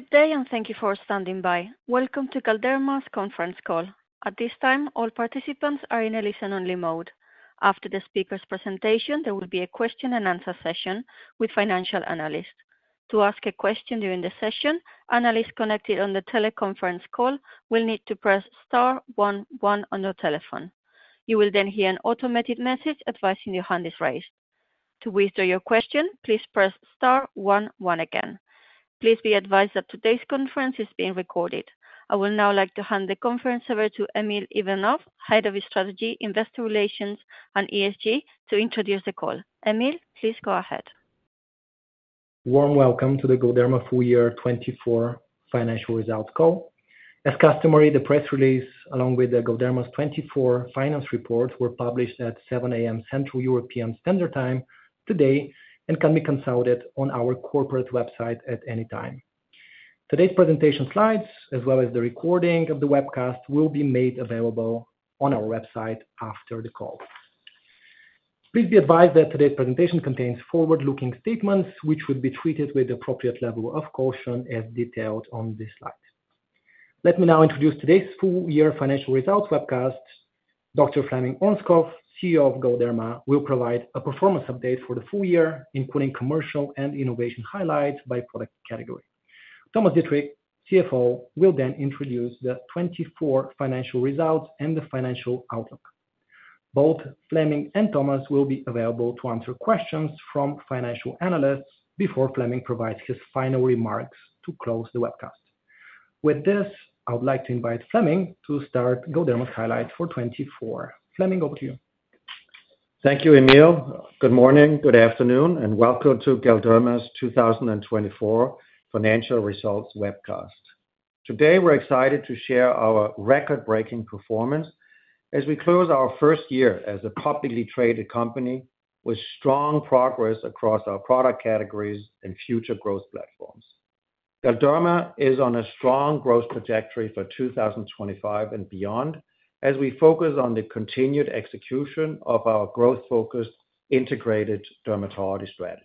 Good day, and thank you for standing by. Welcome to Galderma's conference call. At this time, all participants are in a listen-only mode. After the speaker's presentation, there will be a question-and-answer session with a financial analyst. To ask a question during the session, analysts connected on the teleconference call will need to press star 11 on their telephone. You will then hear an automated message advising your hand is raised. To withdraw your question, please press star 11 again. Please be advised that today's conference is being recorded. I would now like to hand the conference over to Emil Ivanov, Head of Strategy, Investor Relations, and ESG, to introduce the call. Emil, please go ahead. Warm welcome to the Galderma Full Year 2024 Financial Results Call. As customary, the press release, along with Galderma's 2024 Finance Report, were published at 7:00 A.M. Central European Standard Time today and can be consulted on our corporate website at any time. Today's presentation slides, as well as the recording of the webcast, will be made available on our website after the call. Please be advised that today's presentation contains forward-looking statements, which would be treated with the appropriate level of caution, as detailed on this slide. Let me now introduce today's Full Year Financial Results Webcast. Dr. Flemming Ørnskov, CEO of Galderma, will provide a performance update for the full year, including commercial and innovation highlights by product category. Thomas Dittrich, CFO, will then introduce the 2024 financial results and the financial outlook. Both Flemming and Thomas will be available to answer questions from financial analysts before Flemming provides his final remarks to close the webcast. With this, I would like to invite Flemming to start Galderma's highlights for 2024. Flemming, over to you. Thank you, Emil. Good morning, good afternoon, and welcome to Galderma's 2024 Financial Results Webcast. Today, we're excited to share our record-breaking performance as we close our first year as a publicly traded company with strong progress across our product categories and future growth platforms. Galderma is on a strong growth trajectory for 2025 and beyond as we focus on the continued execution of our growth-focused integrated dermatology strategy.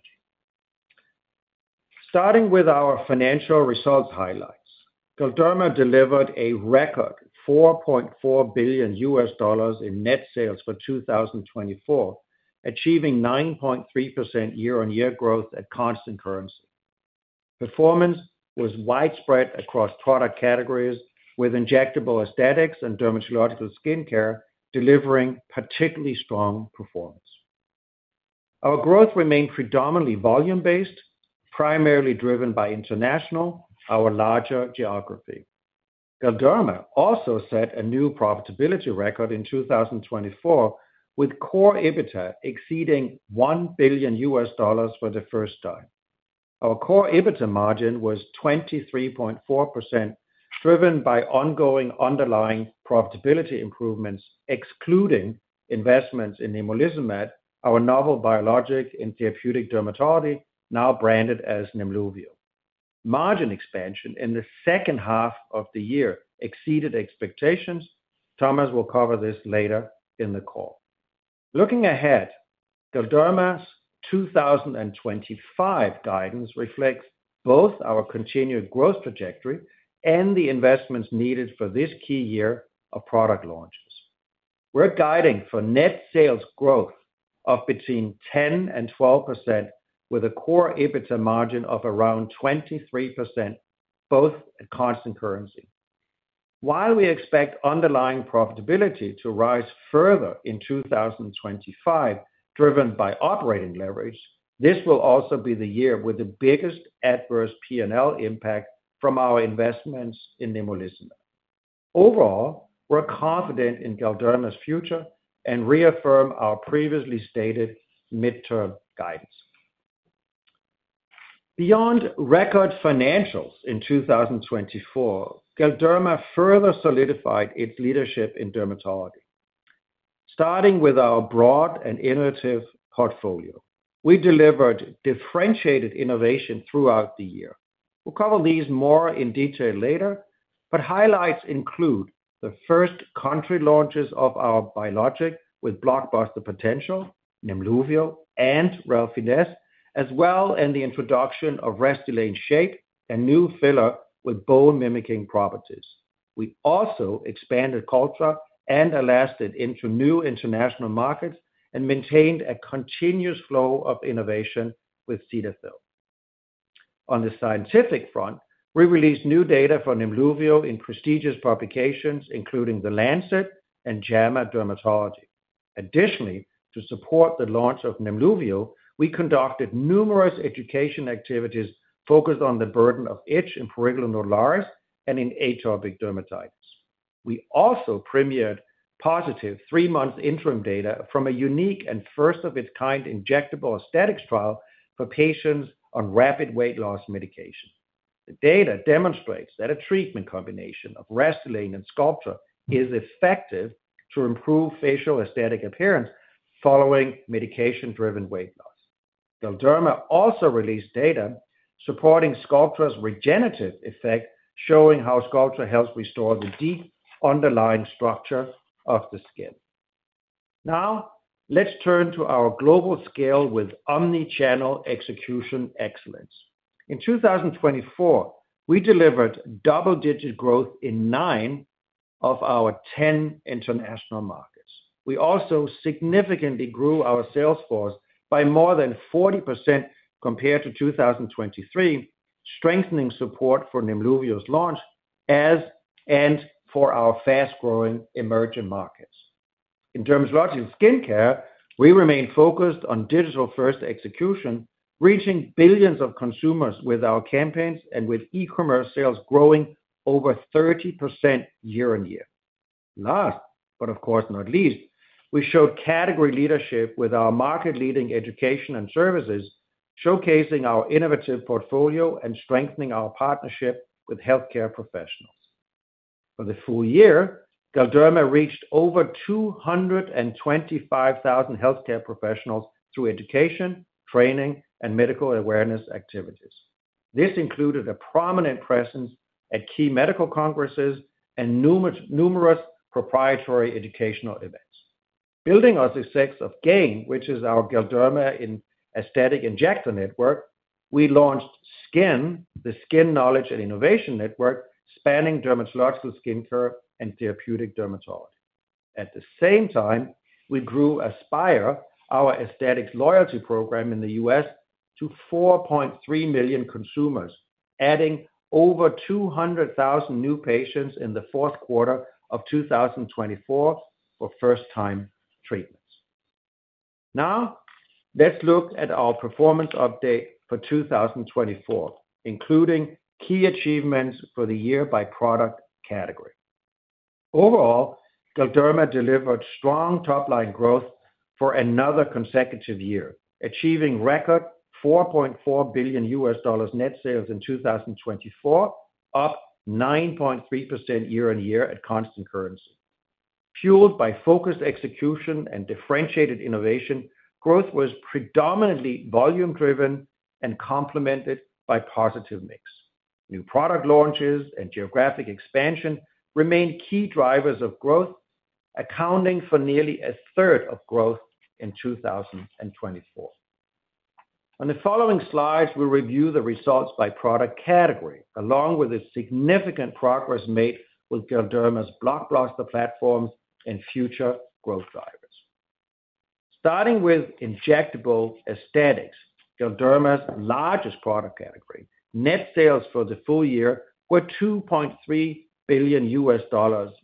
Starting with our financial results highlights, Galderma delivered a record $4.4 billion in net sales for 2024, achieving 9.3% year-on-year growth at constant currency. Performance was widespread across product categories with injectable aesthetics and dermatological skincare, delivering particularly strong performance. Our growth remained predominantly volume-based, primarily driven by international, our larger geography. Galderma also set a new profitability record in 2024 with Core EBITDA exceeding $1 billion for the first time. Our Core EBITDA margin was 23.4%, driven by ongoing underlying profitability improvements, excluding investments in nemolizumab, our novel biologic and therapeutic dermatology, now branded as Nemluvio. Margin expansion in the second half of the year exceeded expectations. Thomas will cover this later in the call. Looking ahead, Galderma's 2025 guidance reflects both our continued growth trajectory and the investments needed for this key year of product launches. We're guiding for net sales growth of between 10% and 12% with a Core EBITDA margin of around 23%, both at constant currency. While we expect underlying profitability to rise further in 2025, driven by operating leverage, this will also be the year with the biggest adverse P&L impact from our investments in nemolizumab. Overall, we're confident in Galderma's future and reaffirm our previously stated midterm guidance. Beyond record financials in 2024, Galderma further solidified its leadership in dermatology. Starting with our broad and innovative portfolio, we delivered differentiated innovation throughout the year. We'll cover these more in detail later, but highlights include the first country launches of our biologic with blockbuster potential, Nemluvio and Relfydess, as well as the introduction Restylane Shaype, a new filler with bone-mimicking properties. We also expanded Sculptra and Alastin into new international markets and maintained a continuous flow of innovation with Cetaphil. On the scientific front, we released new data for Nemluvio in prestigious publications, including The Lancet and JAMA Dermatology. Additionally, to support the launch of Nemluvio, we conducted numerous education activities focused on the burden of itch in prurigo nodularis and in atopic dermatitis. We also premiered positive three-month interim data from a unique and first-of-its-kind injectable aesthetics trial for patients on rapid weight loss medication. The data demonstrates that a treatment combination of Restylane and Sculptra is effective to improve facial aesthetic appearance following medication-driven weight loss. Galderma also released data supporting Sculptra's regenerative effect, showing how Sculptra helps restore the deep underlying structure of the skin. Now, let's turn to our global scale with omnichannel execution excellence. In 2024, we delivered double-digit growth in nine of our 10 international markets. We also significantly grew our sales force by more than 40% compared to 2023, strengthening support for Nemluvio's launch as and for our fast-growing emerging markets. In dermatology and skincare, we remain focused on digital-first execution, reaching billions of consumers with our campaigns and with e-commerce sales growing over 30% year-on-year. Last but of course not least, we showed category leadership with our market-leading education and services, showcasing our innovative portfolio and strengthening our partnership with healthcare professionals. For the full year, Galderma reached over 225,000 healthcare professionals through education, training, and medical awareness activities. This included a prominent presence at key medical congresses and numerous proprietary educational events. Building on success of GAIN, which is our Galderma Aesthetic Injector Network, we launched SKIN, the Skin Knowledge and Innovation Network, spanning dermatological skincare and therapeutic dermatology. At the same time, we grew Aspire, our aesthetics loyalty program in the U.S., to 4.3 million consumers, adding over 200,000 new patients in the fourth quarter of 2024 for first-time treatments. Now, let's look at our performance update for 2024, including key achievements for the year by product category. Overall, Galderma delivered strong top-line growth for another consecutive year, achieving record $4.4 billion net sales in 2024, up 9.3% year-on-year at constant currency. Fueled by focused execution and differentiated innovation, growth was predominantly volume-driven and complemented by positive mix. New product launches and geographic expansion remained key drivers of growth, accounting for nearly a third of growth in 2024. On the following slides, we'll review the results by product category, along with the significant progress made with Galderma's blockbuster platforms and future growth drivers. Starting with injectable aesthetics, Galderma's largest product category, net sales for the full year were $2.3 billion,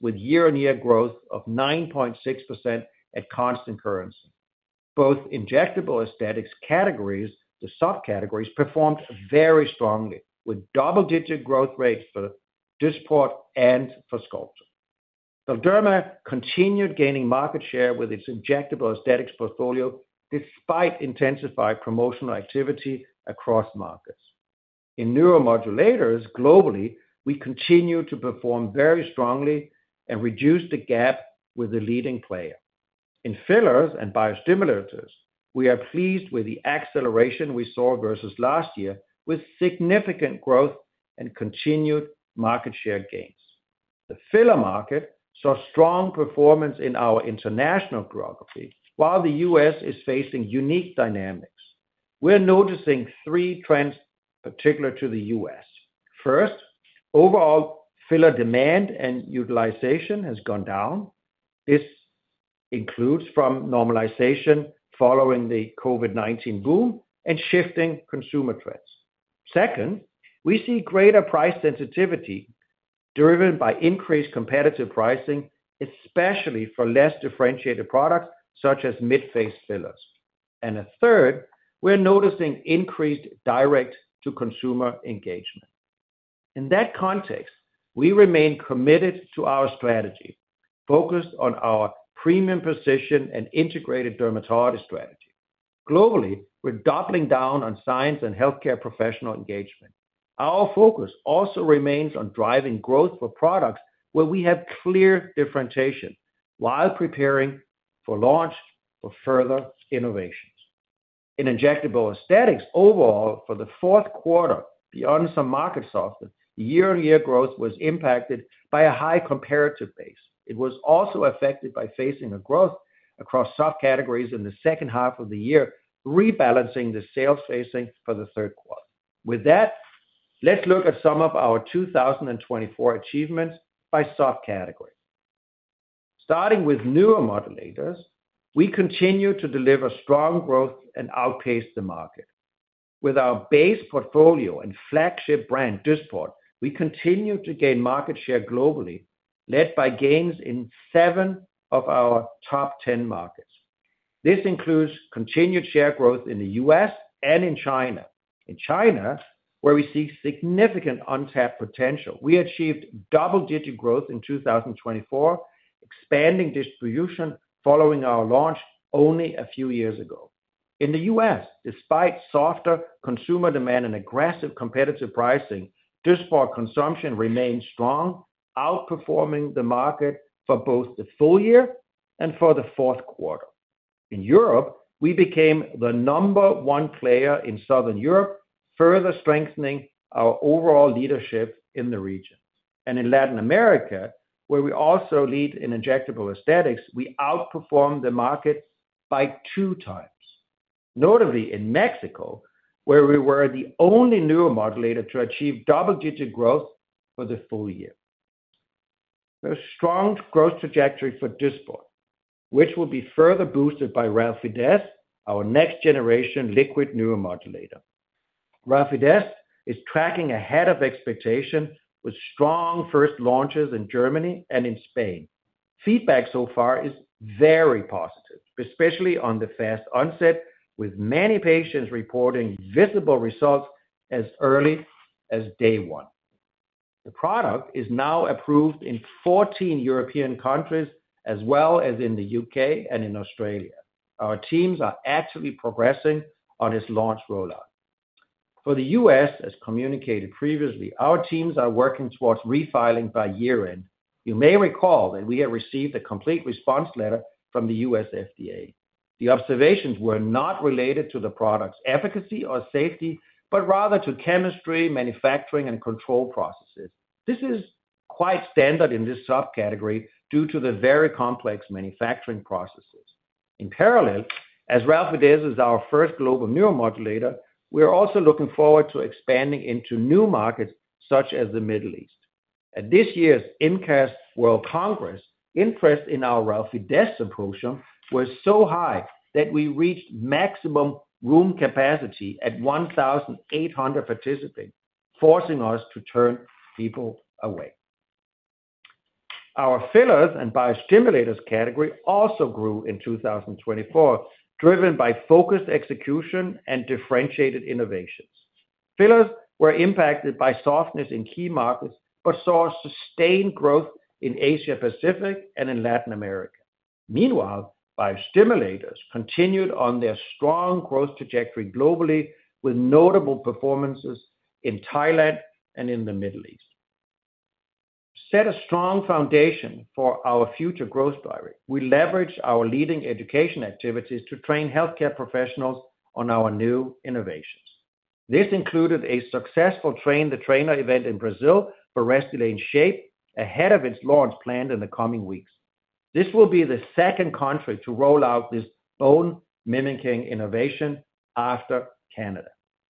with year-on-year growth of 9.6% at constant currency. Both injectable aesthetics categories, the subcategories, performed very strongly, with double-digit growth rates for Dysport and for Sculptra. Galderma continued gaining market share with its injectable aesthetics portfolio, despite intensified promotional activity across markets. In neuromodulators globally, we continue to perform very strongly and reduce the gap with the leading player. In fillers and biostimulators, we are pleased with the acceleration we saw versus last year, with significant growth and continued market share gains. The filler market saw strong performance in our international geography, while the U.S. is facing unique dynamics. We're noticing three trends particular to the U.S. First, overall filler demand and utilization has gone down. This includes from normalization following the COVID-19 boom and shifting consumer trends. Second, we see greater price sensitivity driven by increased competitive pricing, especially for less differentiated products such as midface fillers. And third, we're noticing increased direct-to-consumer engagement. In that context, we remain committed to our strategy, focused on our premium position and integrated dermatology strategy. Globally, we're doubling down on science and healthcare professional engagement. Our focus also remains on driving growth for products where we have clear differentiation while preparing for launch for further innovations. In injectable aesthetics, overall, for the fourth quarter, beyond some market softness, year-on-year growth was impacted by a high comparative base. It was also affected by facing a growth across subcategories in the second half of the year, rebalancing the sales facing for the third quarter. With that, let's look at some of our 2024 achievements by subcategory. Starting with neuromodulators, we continue to deliver strong growth and outpace the market. With our base portfolio and flagship brand Dysport, we continue to gain market share globally, led by gains in seven of our top 10 markets. This includes continued share growth in the U.S. and in China. In China, where we see significant untapped potential, we achieved double-digit growth in 2024, expanding distribution following our launch only a few years ago. In the U.S., despite softer consumer demand and aggressive competitive pricing, Dysport consumption remained strong, outperforming the market for both the full year and for the fourth quarter. In Europe, we became the number one player in Southern Europe, further strengthening our overall leadership in the region. And in Latin America, where we also lead in injectable aesthetics, we outperformed the market by two times. Notably, in Mexico, where we were the only neuromodulator to achieve double-digit growth for the full year. There's a strong growth trajectory for Dysport, which will be further boosted by Relfydess, our next-generation liquid neuromodulator. Relfydess is tracking ahead of expectation with strong first launches in Germany and in Spain. Feedback so far is very positive, especially on the fast onset, with many patients reporting visible results as early as day one. The product is now approved in 14 European countries, as well as in the U.K. and in Australia. Our teams are actually progressing on its launch rollout. For the U.S., as communicated previously, our teams are working towards refiling by year-end. You may recall that we had received a Complete Response Letter from the U.S. FDA. The observations were not related to the product's efficacy or safety, but rather to chemistry, manufacturing, and control processes. This is quite standard in this subcategory due to the very complex manufacturing processes. In parallel, as Relfydess is our first global neuromodulator, we are also looking forward to expanding into new markets such as the Middle East. At this year's IMCAS World Congress, interest in our Relfydess symposium was so high that we reached maximum room capacity at 1,800 participants, forcing us to turn people away. Our fillers and biostimulators category also grew in 2024, driven by focused execution and differentiated innovations. Fillers were impacted by softness in key markets but saw sustained growth in Asia-Pacific and in Latin America. Meanwhile, biostimulators continued on their strong growth trajectory globally, with notable performances in Thailand and in the Middle East. Set a strong foundation for our future growth drive, we leveraged our leading education activities to train healthcare professionals on our new innovations. This included a successful train-the-trainer event in Brazil Restylane Shaype, ahead of its launch planned in the coming weeks. This will be the second country to roll out this bone-mimicking innovation after Canada.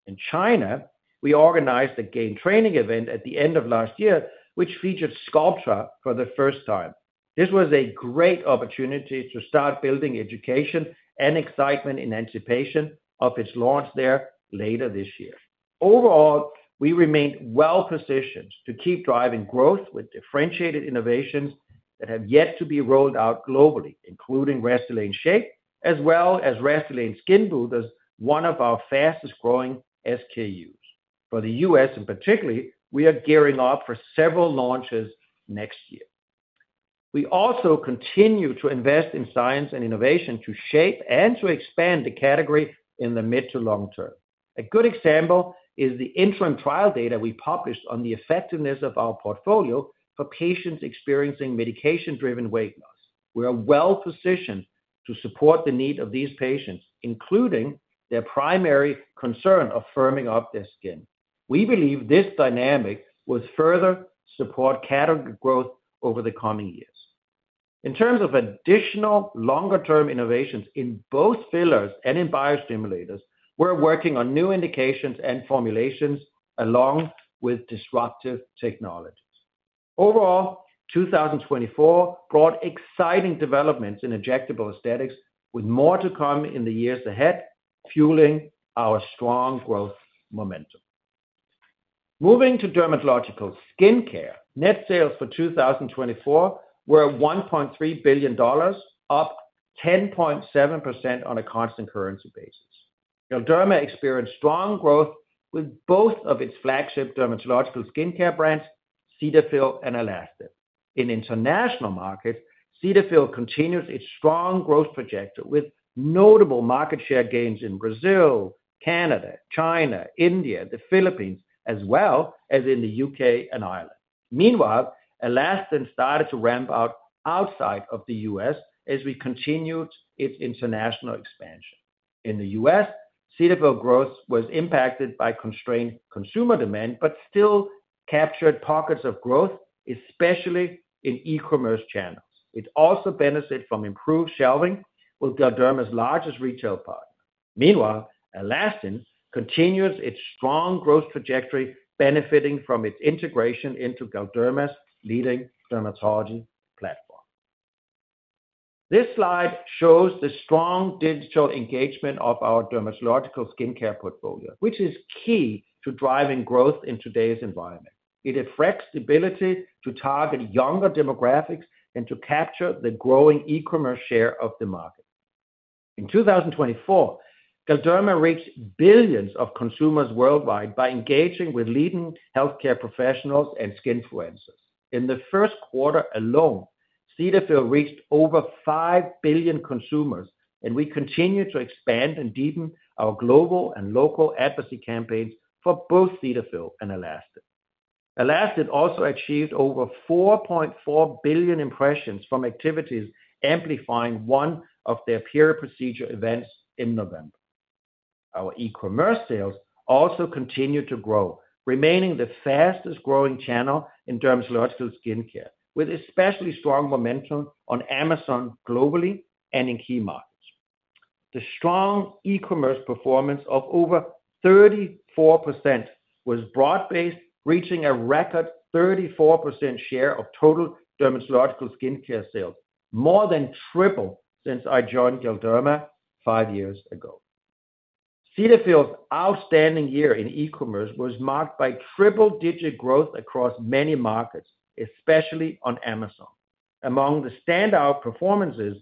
In China, we organized a GAIN training event at the end of last year, which featured Sculptra for the first time. This was a great opportunity to start building education and excitement in anticipation of its launch there later this year. Overall, we remained well-positioned to keep driving growth with differentiated innovations that have yet to be rolled out globally, Restylane Shaype, as well as Restylane Skinboosters as one of our fastest-growing SKUs. For the U.S. in particular, we are gearing up for several launches next year. We also continue to invest in science and innovation to shape and to expand the category in the mid to long term. A good example is the interim trial data we published on the effectiveness of our portfolio for patients experiencing medication-driven weight loss. We are well-positioned to support the need of these patients, including their primary concern of firming up their skin. We believe this dynamic will further support category growth over the coming years. In terms of additional longer-term innovations in both fillers and in biostimulators, we're working on new indications and formulations along with disruptive technologies. Overall, 2024 brought exciting developments in injectable aesthetics, with more to come in the years ahead, fueling our strong growth momentum. Moving to dermatological skincare, net sales for 2024 were $1.3 billion, up 10.7% on a constant currency basis. Galderma experienced strong growth with both of its flagship dermatological skincare brands, Cetaphil and Alastin. In international markets, Cetaphil continues its strong growth trajectory with notable market share gains in Brazil, Canada, China, India, the Philippines, as well as in the UK and Ireland. Meanwhile, Alastin started to ramp out outside of the U.S. as we continued its international expansion. In the U.S., Cetaphil growth was impacted by constrained consumer demand, but still captured pockets of growth, especially in e-commerce channels. It also benefited from improved shelving with Galderma's largest retail partner. Meanwhile, Alastin continues its strong growth trajectory, benefiting from its integration into Galderma's leading dermatology platform. This slide shows the strong digital engagement of our dermatological skincare portfolio, which is key to driving growth in today's environment. It affects the ability to target younger demographics and to capture the growing e-commerce share of the market. In 2024, Galderma reached billions of consumers worldwide by engaging with leading healthcare professionals and skin influencers. In the first quarter alone, Cetaphil reached over five billion consumers, and we continue to expand and deepen our global and local advocacy campaigns for both Cetaphil and Alastin. Alastin also achieved over 4.4 billion impressions from activities, amplifying one of their peer procedure events in November. Our e-commerce sales also continue to grow, remaining the fastest-growing channel in dermatological skincare, with especially strong momentum on Amazon globally and in key markets. The strong e-commerce performance of over 34% was broad-based, reaching a record 34% share of total dermatological skincare sales, more than triple since I joined Galderma five years ago. Cetaphil's outstanding year in e-commerce was marked by triple-digit growth across many markets, especially on Amazon. Among the standout performances,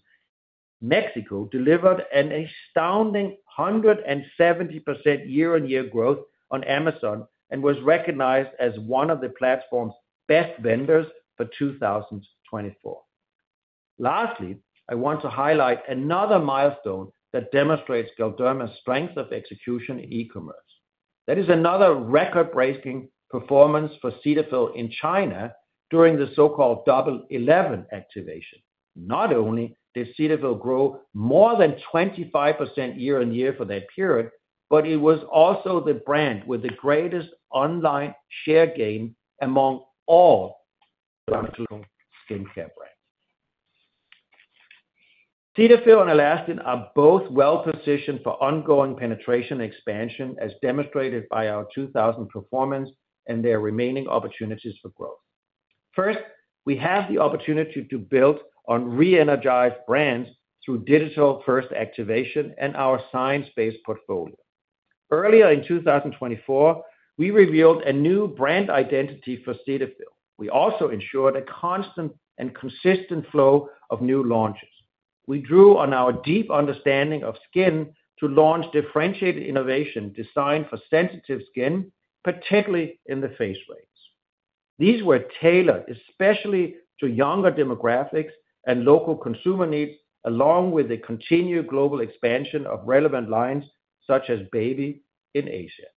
Mexico delivered an astounding 170% year-on-year growth on Amazon and was recognized as one of the platform's best vendors for 2024. Lastly, I want to highlight another milestone that demonstrates Galderma's strength of execution in e-commerce. That is another record-breaking performance for Cetaphil in China during the so-called Double 11 activation. Not only did Cetaphil grow more than 25% year-on-year for that period, but it was also the brand with the greatest online share gain among all dermatological skincare brands. Cetaphil and Alastin are both well-positioned for ongoing penetration and expansion, as demonstrated by our 2023 performance and their remaining opportunities for growth. First, we have the opportunity to build on re-energized brands through digital-first activation and our science-based portfolio. Earlier in 2024, we revealed a new brand identity for Cetaphil. We also ensured a constant and consistent flow of new launches. We drew on our deep understanding of skin to launch differentiated innovation designed for sensitive skin, particularly in the face range. These were tailored especially to younger demographics and local consumer needs, along with the continued global expansion of relevant lines such as Baby in Asia.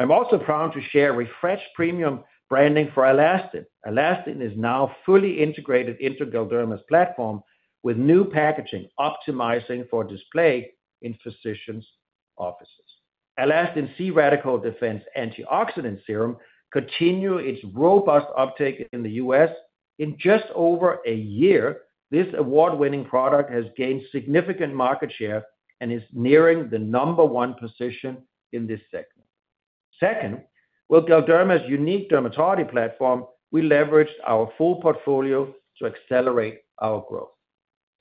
I'm also proud to share refreshed premium branding for Alastin. Alastin is now fully integrated into Galderma's platform with new packaging optimizing for display in physicians' offices. Alastin's C-Radical Defense Antioxidant Serum continues its robust uptake in the U.S. In just over a year, this award-winning product has gained significant market share and is nearing the number one position in this segment. Second, with Galderma's unique dermatology platform, we leveraged our full portfolio to accelerate our growth.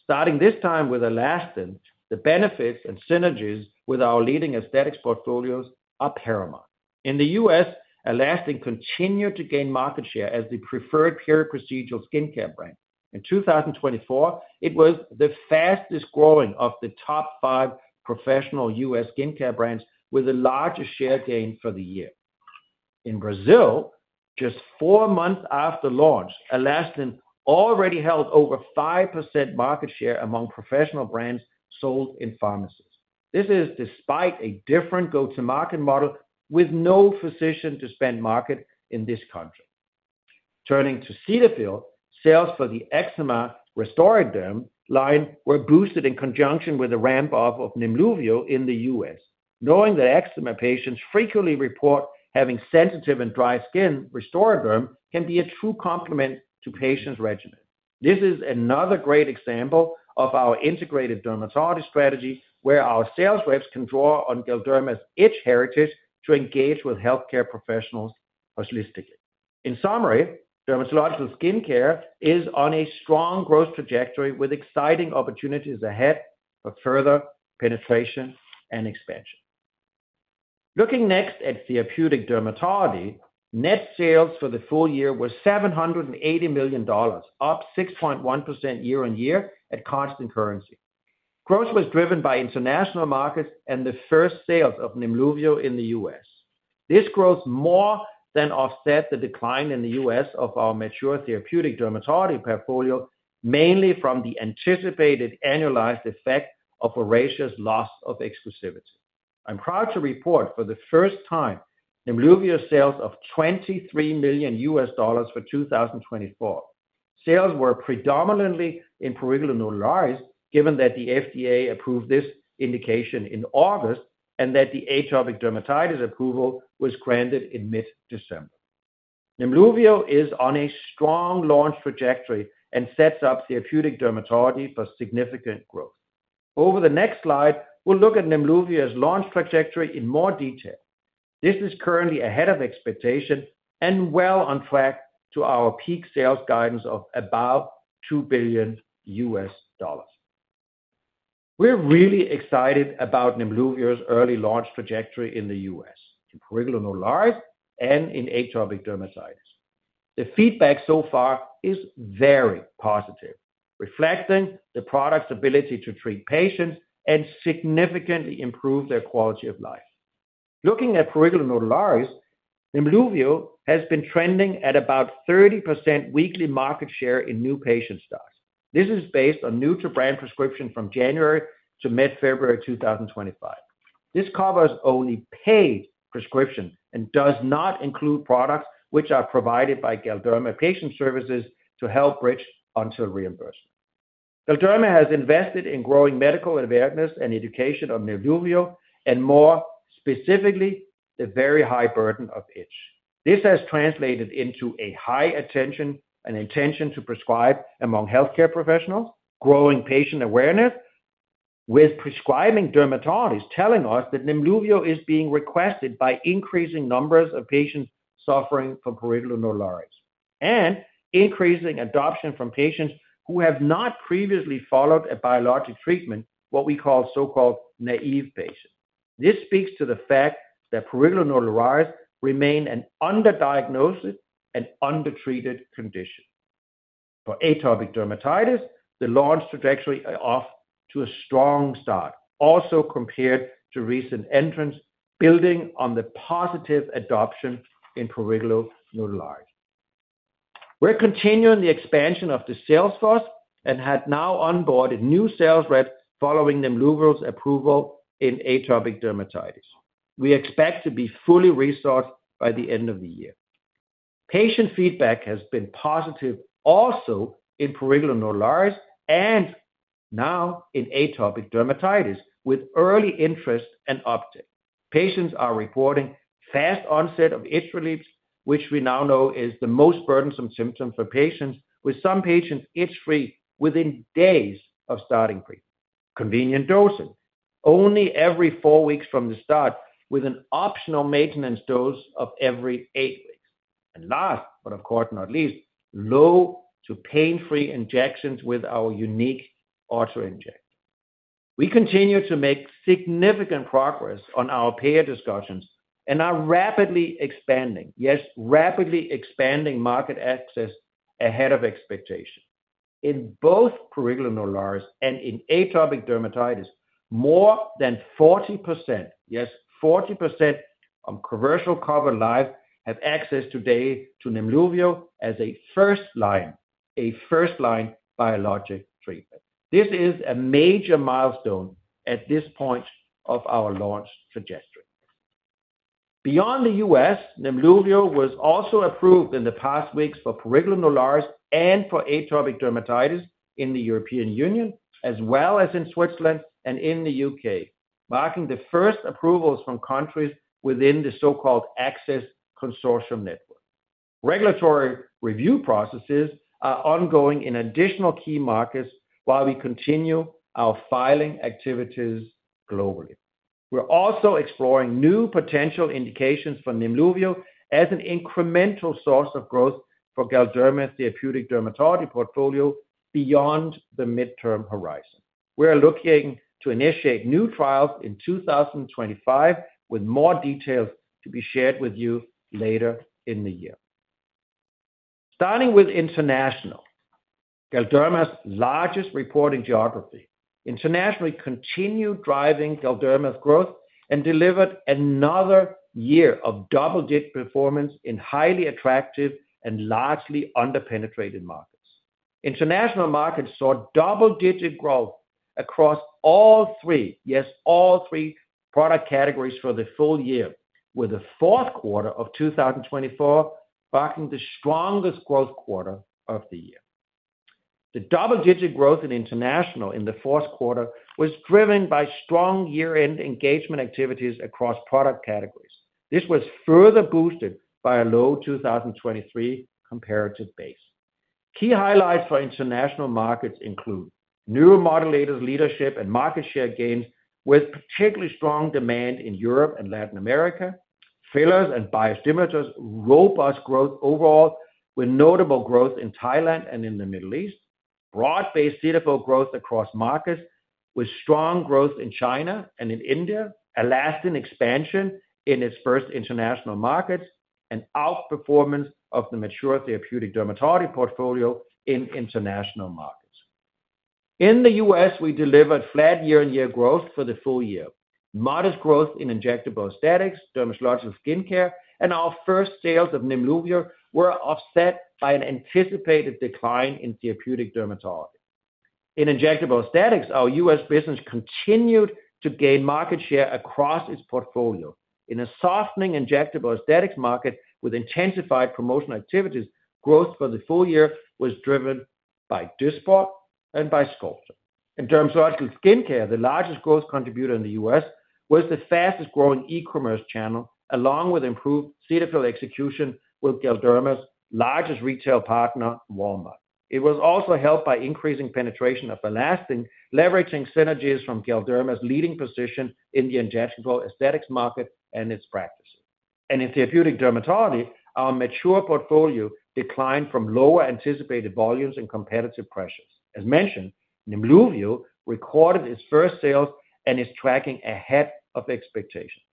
Starting this time with Alastin, the benefits and synergies with our leading aesthetics portfolios are paramount. In the U.S., Alastin continued to gain market share as the preferred peer procedural skincare brand. In 2024, it was the fastest growing of the top five professional U.S. skincare brands, with the largest share gain for the year. In Brazil, just four months after launch, Alastin already held over 5% market share among professional brands sold in pharmacies. This is despite a different go-to-market model with no physician-to-consumer market in this country. Turning to Cetaphil, sales for the Eczema Restoraderm line were boosted in conjunction with the ramp-up of Nemluvio in the U.S. Knowing that eczema patients frequently report having sensitive and dry skin, Restoraderm can be a true complement to patients' regimen. This is another great example of our integrated dermatology strategy, where our sales reps can draw on Galderma's itch heritage to engage with healthcare professionals holistically. In summary, dermatological skincare is on a strong growth trajectory with exciting opportunities ahead for further penetration and expansion. Looking next at therapeutic dermatology, net sales for the full year were $780 million, up 6.1% year-on-year at constant currency. Growth was driven by international markets and the first sales of Nemluvio in the U.S. This growth more than offsets the decline in the U.S. of our mature therapeutic dermatology portfolio, mainly from the anticipated annualized effect of Oracea's loss of exclusivity. I'm proud to report for the first time, Nemluvio sales of $23 million for 2024. Sales were predominantly in prurigo nodularis, given that the FDA approved this indication in August and that the atopic dermatitis approval was granted in mid-December. Nemluvio is on a strong launch trajectory and sets up therapeutic dermatology for significant growth. Over the next slide, we'll look at Nemluvio's launch trajectory in more detail. This is currently ahead of expectation and well on track to our peak sales guidance of about $2 billion. We're really excited about Nemluvio's early launch trajectory in the U.S., in prurigo nodularis and in atopic dermatitis. The feedback so far is very positive, reflecting the product's ability to treat patients and significantly improve their quality of life. Looking at prurigo nodularis, Nemluvio has been trending at about 30% weekly market share in new patient starts. This is based on new-to-brand prescriptions from January to mid-February 2025. This covers only paid prescriptions and does not include products which are provided by Galderma Patient Services to help bridge until reimbursement. Galderma has invested in growing medical awareness and education on Nemluvio and more specifically, the very high burden of itch. This has translated into a high attention and intention to prescribe among healthcare professionals, growing patient awareness, with prescribing dermatologists telling us that Nemluvio is being requested by increasing numbers of patients suffering from prurigo nodularis and increasing adoption from patients who have not previously followed a biologic treatment, what we call so-called naive patients. This speaks to the fact that prurigo nodularis remains an underdiagnosed and undertreated condition. For atopic dermatitis, the launch trajectory is off to a strong start, also compared to recent entrants, building on the positive adoption in prurigo nodularis. We're continuing the expansion of the sales force and have now onboarded new sales reps following Nemluvio's approval in atopic dermatitis. We expect to be fully resourced by the end of the year. Patient feedback has been positive also in prurigo nodularis and now in atopic dermatitis with early interest and uptake. Patients are reporting fast onset of itch reliefs, which we now know is the most burdensome symptom for patients, with some patients itch-free within days of starting treatment. Convenient dosing, only every four weeks from the start, with an optional maintenance dose of every eight weeks. Last, but of course not least, low to pain-free injections with our unique autoinjector. We continue to make significant progress on our payer discussions and are rapidly expanding, yes, rapidly expanding market access ahead of expectation. In both prurigo nodularis and in atopic dermatitis, more than 40%, yes, 40% of commercial covered lives have access today to Nemluvio as a first-line, a first-line biologic treatment. This is a major milestone at this point of our launch trajectory. Beyond the U.S., Nemluvio was also approved in the past weeks for prurigo nodularis and for atopic dermatitis in the European Union, as well as in Switzerland and in the U.K., marking the first approvals from countries within the so-called Access Consortium. Regulatory review processes are ongoing in additional key markets while we continue our filing activities globally. We're also exploring new potential indications for Nemluvio as an incremental source of growth for Galderma's therapeutic dermatology portfolio beyond the midterm horizon. We're looking to initiate new trials in 2025 with more details to be shared with you later in the year. Starting with International, Galderma's largest reporting geography internationally continued driving Galderma's growth and delivered another year of double-digit performance in highly attractive and largely under-penetrated markets. International markets saw double-digit growth across all three, yes, all three product categories for the full year, with the fourth quarter of 2024 marking the strongest growth quarter of the year. The double-digit growth in International in the fourth quarter was driven by strong year-end engagement activities across product categories. This was further boosted by a low 2023 comparative base. Key highlights for international markets include neuromodulators leadership and market share gains with particularly strong demand in Europe and Latin America, fillers and biostimulators, robust growth overall with notable growth in Thailand and in the Middle East, broad-based Cetaphil growth across markets with strong growth in China and in India, Alastin expansion in its first international markets, and outperformance of the mature therapeutic dermatology portfolio in international markets. In the U.S., we delivered flat year-on-year growth for the full year. Modest growth in injectable aesthetics, dermatological skincare, and our first sales of Nemluvio were offset by an anticipated decline in therapeutic dermatology. In injectable aesthetics, our U.S. business continued to gain market share across its portfolio. In a softening injectable aesthetics market with intensified promotional activities, growth for the full year was driven by Dysport and by Sculptra. In dermatological skincare, the largest growth contributor in the U.S. was the fastest growing e-commerce channel, along with improved Cetaphil execution with Galderma's largest retail partner, Walmart. It was also helped by increasing penetration of Alastin, leveraging synergies from Galderma's leading position in the injectable aesthetics market and its practices, and in therapeutic dermatology, our mature portfolio declined from lower anticipated volumes and competitive pressures. As mentioned, Nemluvio recorded its first sales and is tracking ahead of expectations.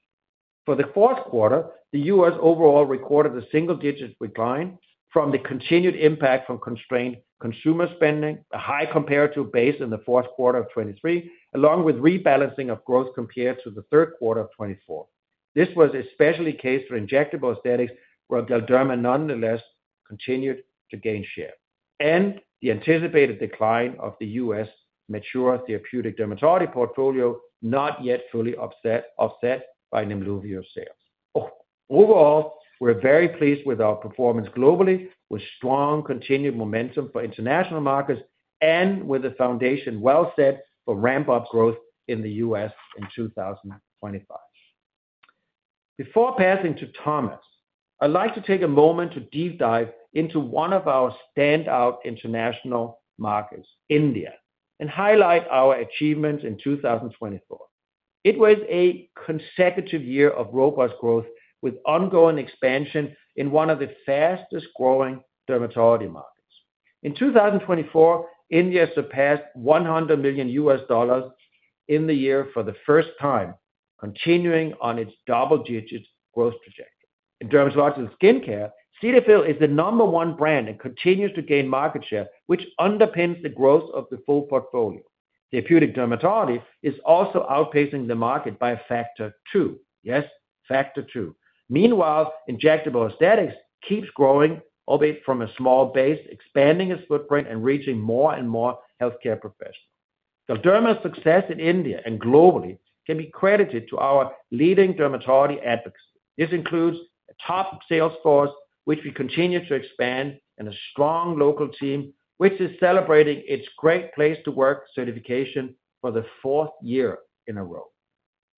For the fourth quarter, the U.S. overall recorded a single-digit decline from the continued impact from constrained consumer spending, a high comparative base in the fourth quarter of 2023, along with rebalancing of growth compared to the third quarter of 2024. This was especially the case for injectable aesthetics, where Galderma nonetheless continued to gain share. The anticipated decline of the U.S. mature therapeutic dermatology portfolio, not yet fully offset by Nemluvio's sales. Overall, we're very pleased with our performance globally, with strong continued momentum for international markets and with a foundation well set for ramp-up growth in the U.S. in 2025. Before passing to Thomas, I'd like to take a moment to deep dive into one of our standout international markets, India, and highlight our achievements in 2024. It was a consecutive year of robust growth with ongoing expansion in one of the fastest growing dermatology markets. In 2024, India surpassed $100 million US dollars in the year for the first time, continuing on its double-digit growth trajectory. In dermatological skincare, Cetaphil is the number one brand and continues to gain market share, which underpins the growth of the full portfolio. Therapeutic dermatology is also outpacing the market by a factor two, yes, factor two. Meanwhile, injectable aesthetics keeps growing, albeit from a small base, expanding its footprint and reaching more and more healthcare professionals. Galderma's success in India and globally can be credited to our leading dermatology advocacy. This includes a top sales force, which we continue to expand, and a strong local team, which is celebrating its Great Place to Work certification for the fourth year in a row.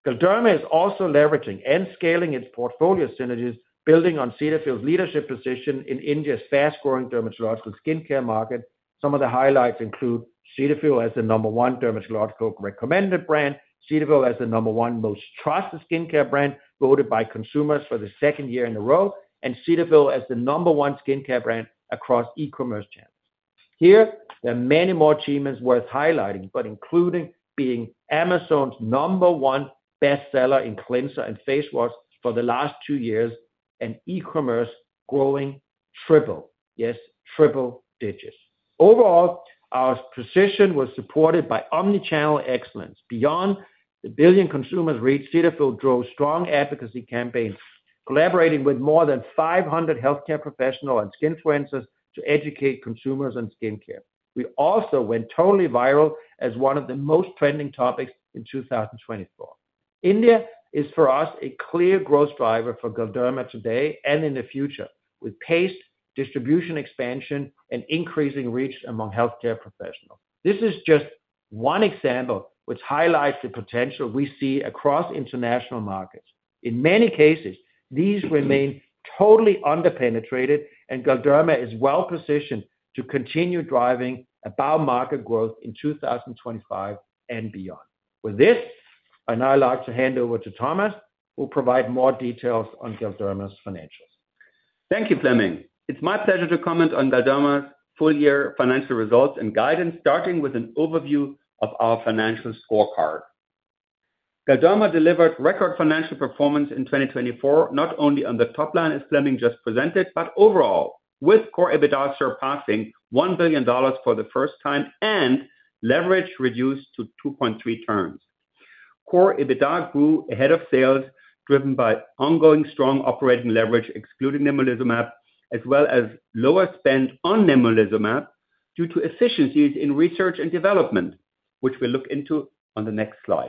Galderma is also leveraging and scaling its portfolio synergies, building on Cetaphil's leadership position in India's fast-growing dermatological skincare market. Some of the highlights include Cetaphil as the number one dermatological recommended brand, Cetaphil as the number one most trusted skincare brand voted by consumers for the second year in a row, and Cetaphil as the number one skincare brand across e-commerce channels. Here, there are many more achievements worth highlighting, but including being Amazon's number one bestseller in cleanser and face wash for the last two years and e-commerce growing triple, yes, triple digits. Overall, our position was supported by omnichannel excellence. Beyond 1 billion consumers reached, Cetaphil drove strong advocacy campaigns, collaborating with more than 500 healthcare professionals and skin influencers to educate consumers on skincare. We also went totally viral as one of the most trending topics in 2024. India is, for us, a clear growth driver for Galderma today and in the future, with pace, distribution expansion, and increasing reach among healthcare professionals. This is just one example which highlights the potential we see across international markets. In many cases, these remain totally under-penetrated, and Galderma is well positioned to continue driving above-market growth in 2025 and beyond. With this, I'd now like to hand over to Thomas, who will provide more details on Galderma's financials. Thank you, Flemming. It's my pleasure to comment on Galderma's full-year financial results and guidance, starting with an overview of our financial scorecard. Galderma delivered record financial performance in 2024, not only on the top line, as Flemming just presented, but overall, with Core EBITDA surpassing $1 billion for the first time and leverage reduced to 2.3 turns. Core EBITDA grew ahead of sales, driven by ongoing strong operating leverage, excluding nemolizumab, as well as lower spend on nemolizumab due to efficiencies in research and development, which we'll look into on the next slide.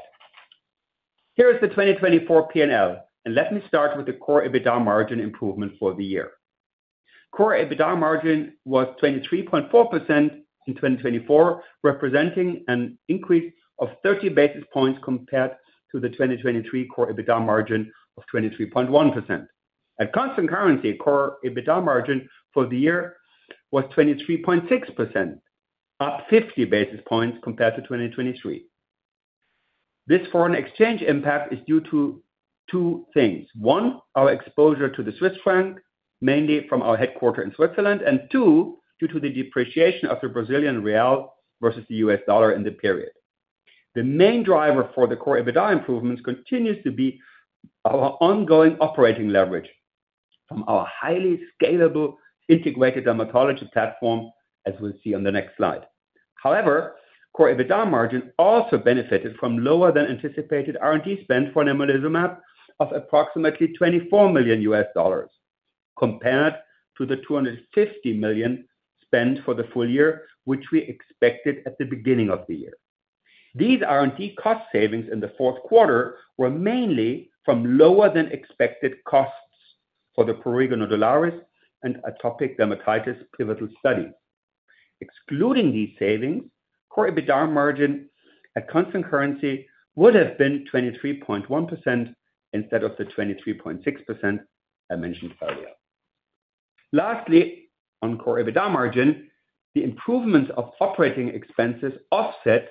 Here is the 2024 P&L, and let me start with the Core EBITDA margin improvement for the year. Core EBITDA margin was 23.4% in 2024, representing an increase of 30 basis points compared to the 2023 Core EBITDA margin of 23.1%. At constant currency, Core EBITDA margin for the year was 23.6%, up 50 basis points compared to 2023. This foreign exchange impact is due to two things. One, our exposure to the Swiss franc, mainly from our headquarters in Switzerland, and two, due to the depreciation of the Brazilian real versus the US dollar in the period. The main driver for the Core EBITDA improvements continues to be our ongoing operating leverage from our highly scalable integrated dermatology platform, as we'll see on the next slide. However, Core EBITDA margin also benefited from lower than anticipated R&D spend for nemolizumab of approximately $24 million US dollars compared to the $250 million spend for the full year, which we expected at the beginning of the year. These R&D cost savings in the fourth quarter were mainly from lower than expected costs for the prurigo nodularis and atopic dermatitis pivotal studies. Excluding these savings, Core EBITDA margin at constant currency would have been 23.1% instead of the 23.6% I mentioned earlier. Lastly, on Core EBITDA margin, the improvements of operating expenses offset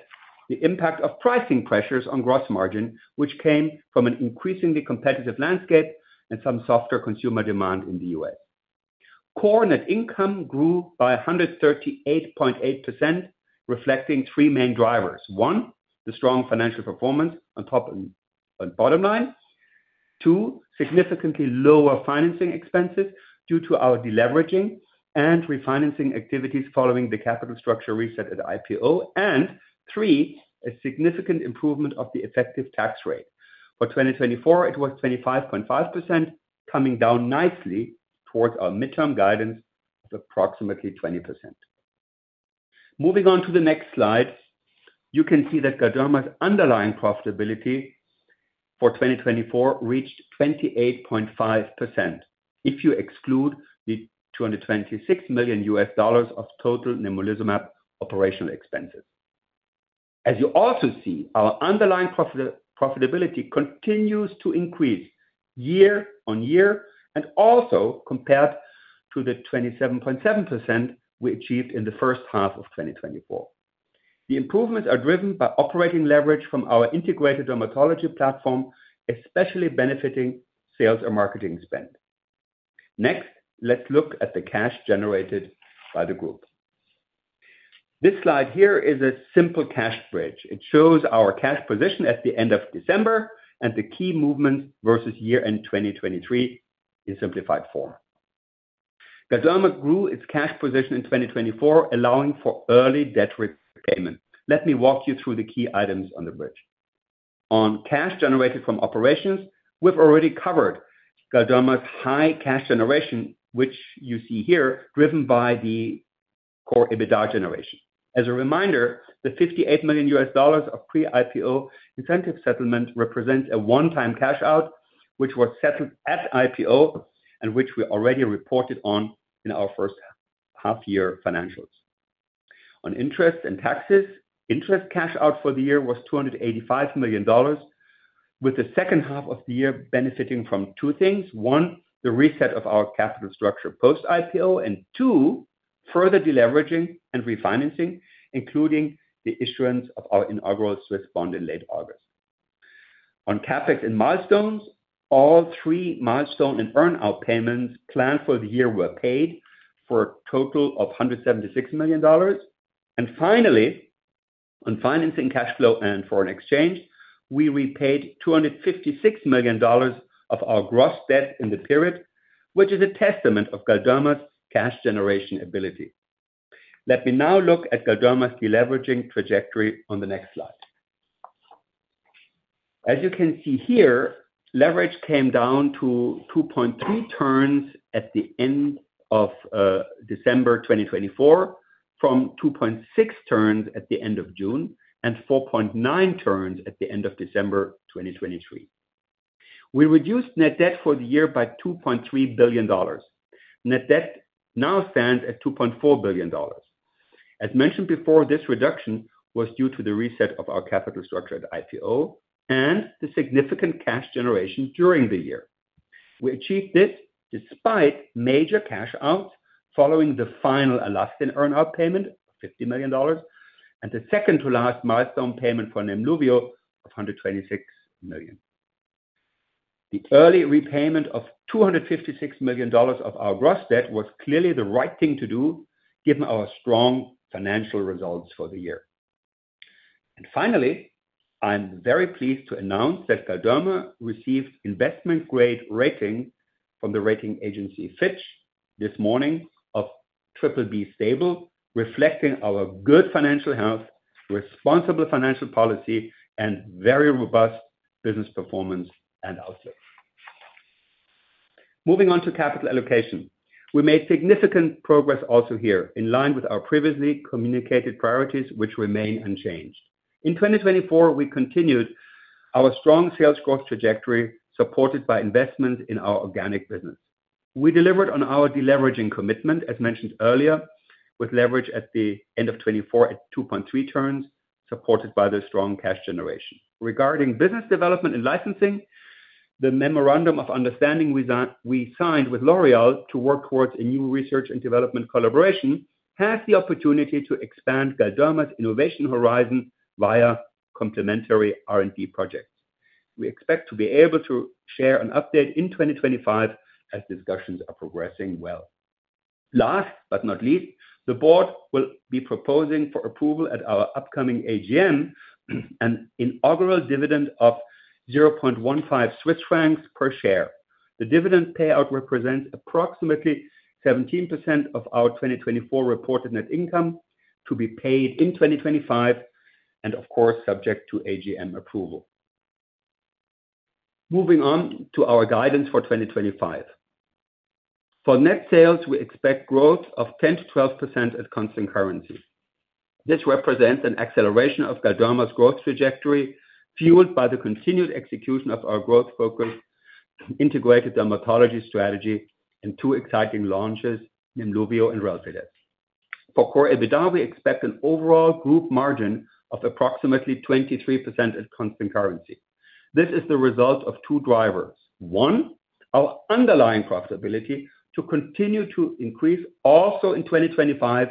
the impact of pricing pressures on gross margin, which came from an increasingly competitive landscape and some softer consumer demand in the U.S. Core net income grew by 138.8%, reflecting three main drivers. One, the strong financial performance on top and bottom line. Two, significantly lower financing expenses due to our deleveraging and refinancing activities following the capital structure reset at IPO. And three, a significant improvement of the effective tax rate. For 2024, it was 25.5%, coming down nicely towards our midterm guidance of approximately 20%. Moving on to the next slide, you can see that Galderma's underlying profitability for 2024 reached 28.5% if you exclude the $226 million US dollars of total nemolizumab operational expenses. As you also see, our underlying profitability continues to increase year on year and also compared to the 27.7% we achieved in the first half of 2024. The improvements are driven by operating leverage from our integrated dermatology platform, especially benefiting sales or marketing spend. Next, let's look at the cash generated by the group. This slide here is a simple cash bridge. It shows our cash position at the end of December and the key movements versus year-end 2023 in simplified form. Galderma grew its cash position in 2024, allowing for early debt repayment. Let me walk you through the key items on the bridge. On cash generated from operations, we've already covered Galderma's high cash generation, which you see here, driven by the Core EBITDA generation. As a reminder, the $58 million US dollars of pre-IPO incentive settlement represents a one-time cash out, which was settled at IPO and which we already reported on in our first half-year financials. On interest and taxes, interest cash out for the year was $285 million, with the second half of the year benefiting from two things. One, the reset of our capital structure post-IPO, and two, further deleveraging and refinancing, including the issuance of our inaugural Swiss bond in late August. On CapEx and milestones, all three milestone and earn-out payments planned for the year were paid for a total of $176 million. Finally, on financing cash flow and foreign exchange, we repaid $256 million of our gross debt in the period, which is a testament of Galderma's cash generation ability. Let me now look at Galderma's deleveraging trajectory on the next slide. As you can see here, leverage came down to 2.3 turns at the end of December 2024, from 2.6 turns at the end of June and 4.9 turns at the end of December 2023. We reduced net debt for the year by $2.3 billion. Net debt now stands at $2.4 billion. As mentioned before, this reduction was due to the reset of our capital structure at IPO and the significant cash generation during the year. We achieved this despite major cash outs following the final Alastin earn-out payment of $50 million and the second-to-last milestone payment for Nemluvio of $126 million. The early repayment of $256 million of our gross debt was clearly the right thing to do, given our strong financial results for the year, and finally, I'm very pleased to announce that Galderma received investment-grade rating from the rating agency Fitch this morning of Triple B stable, reflecting our good financial health, responsible financial policy, and very robust business performance and outlook. Moving on to capital allocation, we made significant progress also here, in line with our previously communicated priorities, which remain unchanged. In 2024, we continued our strong sales growth trajectory supported by investment in our organic business. We delivered on our deleveraging commitment, as mentioned earlier, with leverage at the end of 2024 at 2.3 turns, supported by the strong cash generation. Regarding business development and licensing, the memorandum of understanding we signed with L'Oréal to work towards a new research and development collaboration has the opportunity to expand Galderma's innovation horizon via complementary R&D projects. We expect to be able to share an update in 2025 as discussions are progressing well. Last but not least, the board will be proposing for approval at our upcoming AGM an inaugural dividend of 0.15 Swiss francs per share. The dividend payout represents approximately 17% of our 2024 reported net income to be paid in 2025 and, of course, subject to AGM approval. Moving on to our guidance for 2025. For net sales, we expect growth of 10%-12% at constant currency. This represents an acceleration of Galderma's growth trajectory, fueled by the continued execution of our growth-focused integrated dermatology strategy and two exciting launches, Nemluvio and Relfydess. For Core EBITDA, we expect an overall group margin of approximately 23% at constant currency. This is the result of two drivers. One, our underlying profitability to continue to increase also in 2025,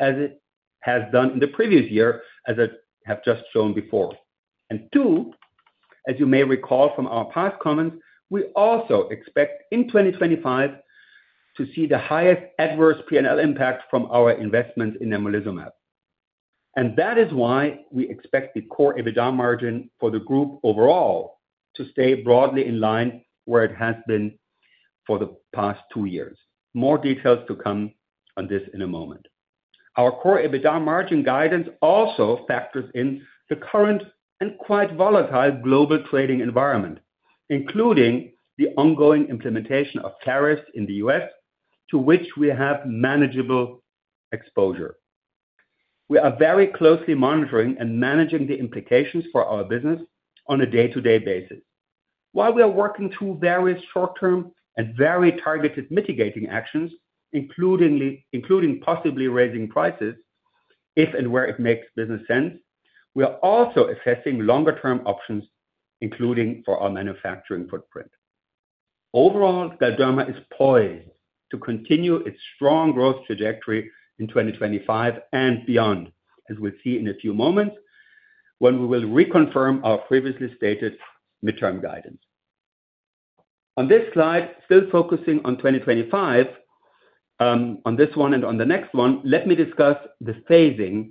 as it has done in the previous year, as I have just shown before. And two, as you may recall from our past comments, we also expect in 2025 to see the highest adverse P&L impact from our investments in nemolizumab. And that is why we expect the Core EBITDA margin for the group overall to stay broadly in line where it has been for the past two years. More details to come on this in a moment. Our Core EBITDA margin guidance also factors in the current and quite volatile global trading environment, including the ongoing implementation of tariffs in the U.S., to which we have manageable exposure. We are very closely monitoring and managing the implications for our business on a day-to-day basis. While we are working through various short-term and very targeted mitigating actions, including possibly raising prices if and where it makes business sense, we are also assessing longer-term options, including for our manufacturing footprint. Overall, Galderma is poised to continue its strong growth trajectory in 2025 and beyond, as we'll see in a few moments when we will reconfirm our previously stated midterm guidance. On this slide, still focusing on 2025, on this one and on the next one, let me discuss the phasing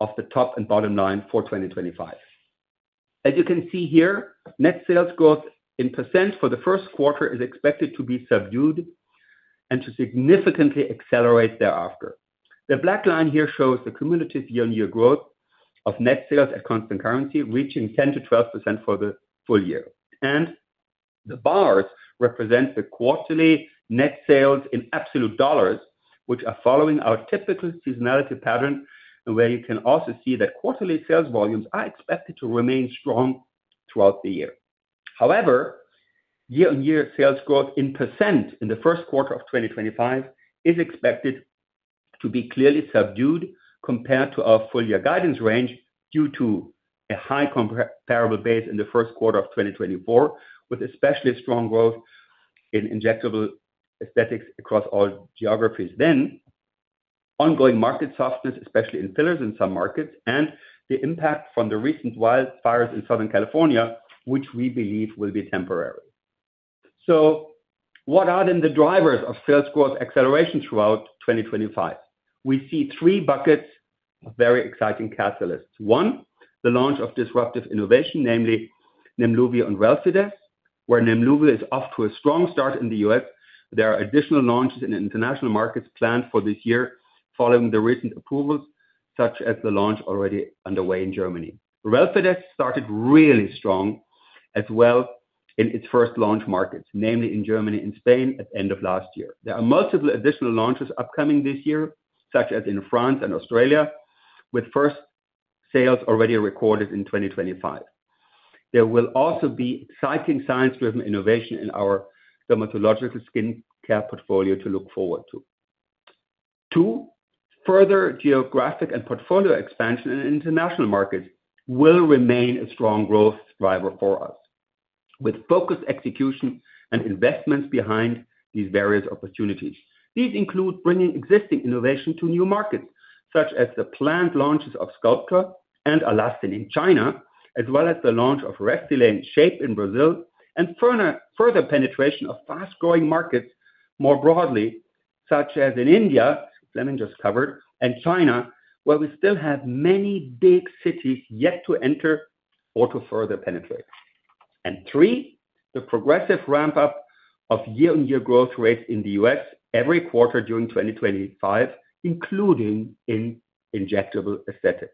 of the top and bottom line for 2025. As you can see here, net sales growth in percent for the first quarter is expected to be subdued and to significantly accelerate thereafter. The black line here shows the cumulative year-on-year growth of net sales at constant currency reaching 10%-12% for the full year, and the bars represent the quarterly net sales in absolute dollars, which are following our typical seasonality pattern, where you can also see that quarterly sales volumes are expected to remain strong throughout the year. However, year-on-year sales growth in percent in the first quarter of 2025 is expected to be clearly subdued compared to our full-year guidance range due to a high comparable base in the first quarter of 2024, with especially strong growth in injectable aesthetics across all geographies, then, ongoing market softness, especially in fillers in some markets, and the impact from the recent wildfires in Southern California, which we believe will be temporary, so what are then the drivers of sales growth acceleration throughout 2025? We see three buckets of very exciting catalysts. One, the launch of disruptive innovation, namely Nemluvio and Relfydess, where Nemluvio is off to a strong start in the US. There are additional launches in international markets planned for this year following the recent approvals, such as the launch already underway in Germany. Relfydess started really strong as well in its first launch markets, namely in Germany and Spain at the end of last year. There are multiple additional launches upcoming this year, such as in France and Australia, with first sales already recorded in 2025. There will also be exciting science-driven innovation in our dermatological skincare portfolio to look forward to. Two, further geographic and portfolio expansion in international markets will remain a strong growth driver for us, with focused execution and investments behind these various opportunities. These include bringing existing innovation to new markets, such as the planned launches of Sculptra and Alastin in China, as well as the launch Restylane Shaype in Brazil and further penetration of fast-growing markets more broadly, such as in India, Flemming just covered, and China, where we still have many big cities yet to enter or to further penetrate. And three, the progressive ramp-up of year-on-year growth rates in the U.S. every quarter during 2025, including in injectable aesthetics.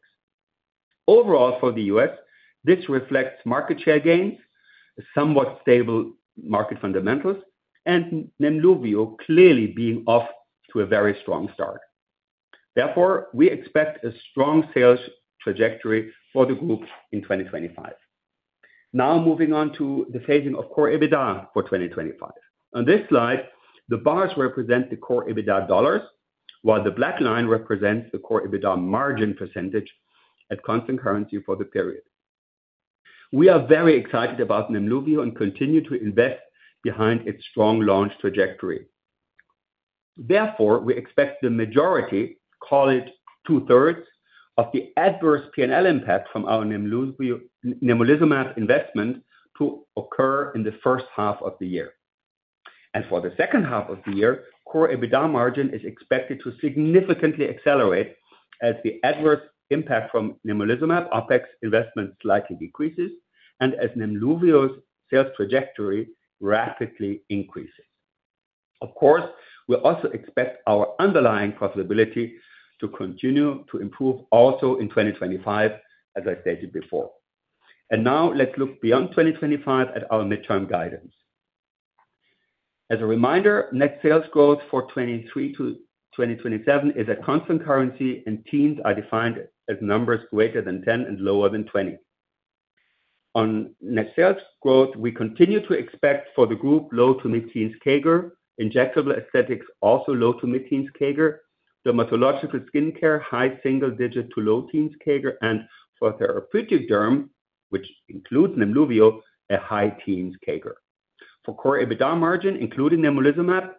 Overall, for the U.S., this reflects market share gains, somewhat stable market fundamentals, and Nemluvio clearly being off to a very strong start. Therefore, we expect a strong sales trajectory for the group in 2025. Now, moving on to the phasing of Core EBITDA for 2025. On this slide, the bars represent the Core EBITDA dollars, while the black line represents the Core EBITDA margin percentage at constant currency for the period. We are very excited about Nemluvio and continue to invest behind its strong launch trajectory. Therefore, we expect the majority, call it two-thirds, of the adverse P&L impact from our nemolizumab investment to occur in the first half of the year, and for the second half of the year, Core EBITDA margin is expected to significantly accelerate as the adverse impact from nemolizumab OpEx investment slightly decreases and as Nemluvio's sales trajectory rapidly increases. Of course, we also expect our underlying profitability to continue to improve also in 2025, as I stated before, and now, let's look beyond 2025 at our midterm guidance. As a reminder, net sales growth for 2023 to 2027 is at constant currency and teens are defined as numbers greater than 10 and lower than 20. On net sales growth, we continue to expect for the group low to mid-teens CAGR, injectable aesthetics also low to mid-teens CAGR, dermatological skincare high single-digit to low teens CAGR, and for therapeutic derm, which includes Nemluvio, a high teens CAGR. For Core EBITDA margin, including nemolizumab,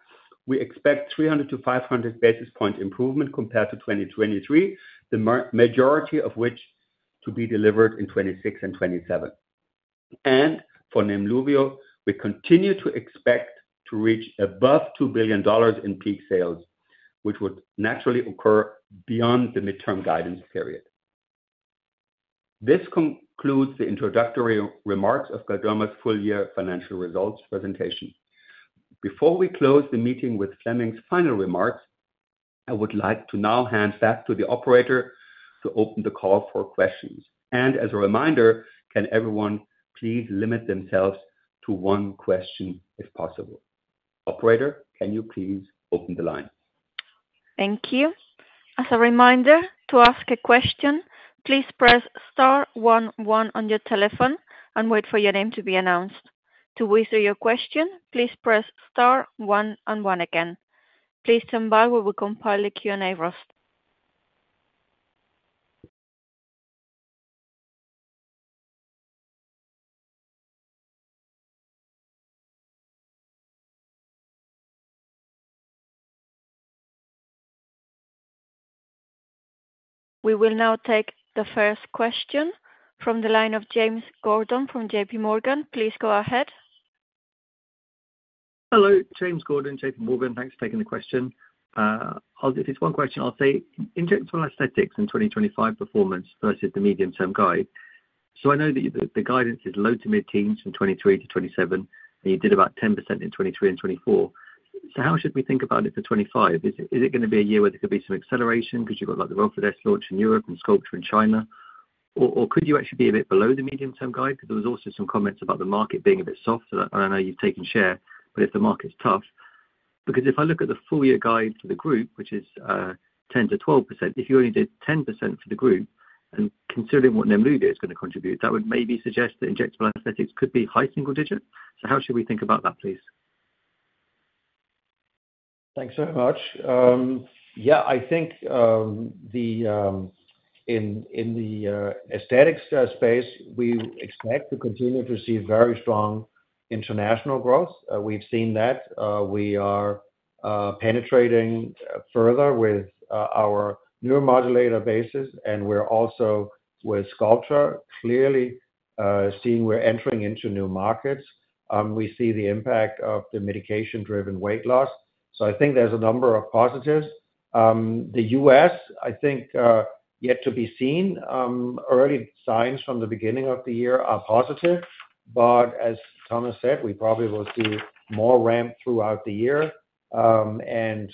we expect 300-500 basis points improvement compared to 2023, the majority of which to be delivered in 2026 and 2027. For Nemluvio, we continue to expect to reach above $2 billion in peak sales, which would naturally occur beyond the midterm guidance period. This concludes the introductory remarks of Galderma's full-year financial results presentation. Before we close the meeting with Flemming's final remarks, I would like to now hand back to the operator to open the call for questions. As a reminder, can everyone please limit themselves to one question if possible? Operator, can you please open the line? Thank you. As a reminder, to ask a question, please press star 11 on your telephone and wait for your name to be announced. To withdraw your question, please press star 11 again. Please stand by while we compile the Q&A roster. We will now take the first question from the line of James Gordon from JP Morgan. Please go ahead. Hello, James Gordon, JP Morgan. Thanks for taking the question. If it's one question, I'll say injectable aesthetics and 2025 performance versus the medium-term guide. I know that the guidance is low to mid-teens from 2023 to 2027, and you did about 10% in 2023 and 2024. How should we think about it for 2025? Is it going to be a year where there could be some acceleration because you've got the Relfydess launch in Europe and Sculptra in China? Or could you actually be a bit below the medium-term guide? Because there were also some comments about the market being a bit soft. I know you've taken share, but if the market's tough, because if I look at the full-year guide for the group, which is 10%-12%, if you only did 10% for the group, and considering what Nemluvio is going to contribute, that would maybe suggest that injectable aesthetics could be high single-digit. How should we think about that, please? Thanks very much. Yeah, I think in the aesthetics space, we expect to continue to see very strong international growth. We've seen that. We are penetrating further with our neuromodulator basis, and we're also with Sculptra, clearly seeing we're entering into new markets. We see the impact of the medication-driven weight loss. So I think there's a number of positives. The U.S., I think, yet to be seen. Early signs from the beginning of the year are positive. But as Thomas said, we probably will see more ramp throughout the year. And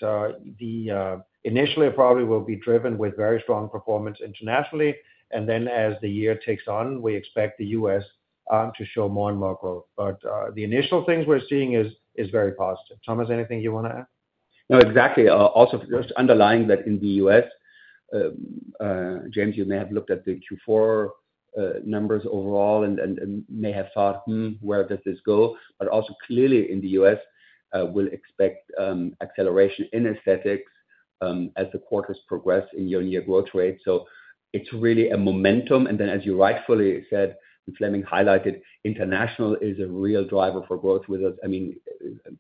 initially, it probably will be driven with very strong performance internationally. And then as the year takes on, we expect the U.S. to show more and more growth. But the initial things we're seeing is very positive. Thomas, anything you want to add? No, exactly. Also, just underlying that in the U.S., James, you may have looked at the Q4 numbers overall and may have thought, "where does this go?" But also, clearly in the U.S., we'll expect acceleration in aesthetics as the quarters progress in year-on-year growth rate. So it's really a momentum. And then, as you rightfully said, and Flemming highlighted, international is a real driver for growth with us. I mean,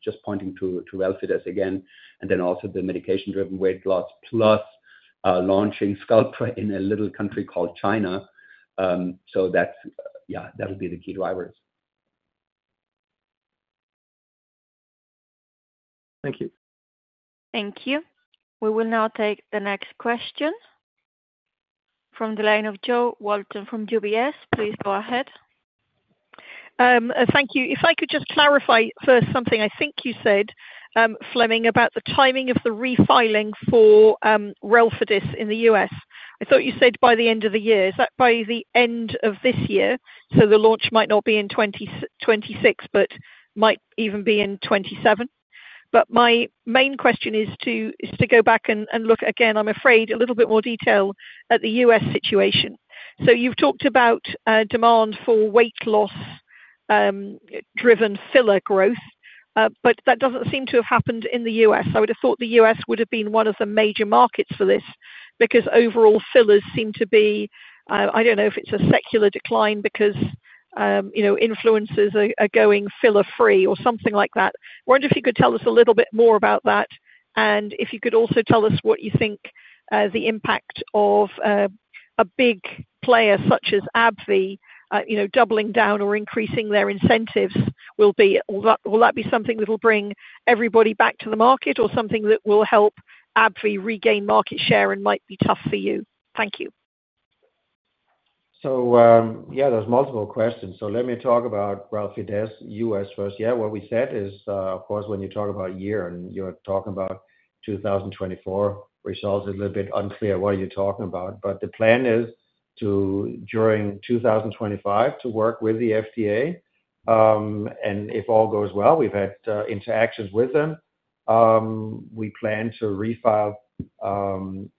just pointing to Relfydess again, and then also the medication-driven weight loss, plus launching Sculptra in a little country called China. So that's, yeah, that'll be the key drivers. Thank you. Thank you. We will now take the next question from the line of Jo Walton from UBS. Please go ahead. Thank you. If I could just clarify first something I think you said, Flemming, about the timing of the refiling for Relfydess in the U.S. I thought you said by the end of the year. Is that by the end of this year? So the launch might not be in 2026, but might even be in 2027. But my main question is to go back and look again, I'm afraid, a little bit more detail at the U.S. situation. So you've talked about demand for weight loss-driven filler growth, but that doesn't seem to have happened in the U.S. I would have thought the U.S. would have been one of the major markets for this because overall fillers seem to be. I don't know if it's a secular decline because influencers are going filler-free or something like that. I wonder if you could tell us a little bit more about that, and if you could also tell us what you think the impact of a big player such as AbbVie doubling down or increasing their incentives will be. Will that be something that will bring everybody back to the market, or something that will help AbbVie regain market share and might be tough for you? Thank you. So yeah, there's multiple questions. So let me talk about Relfydess, U.S. first. Yeah, what we said is, of course, when you talk about a year and you're talking about 2024 results, it's a little bit unclear what you're talking about. But the plan is to, during 2025, work with the FDA. And if all goes well, we've had interactions with them. We plan to refile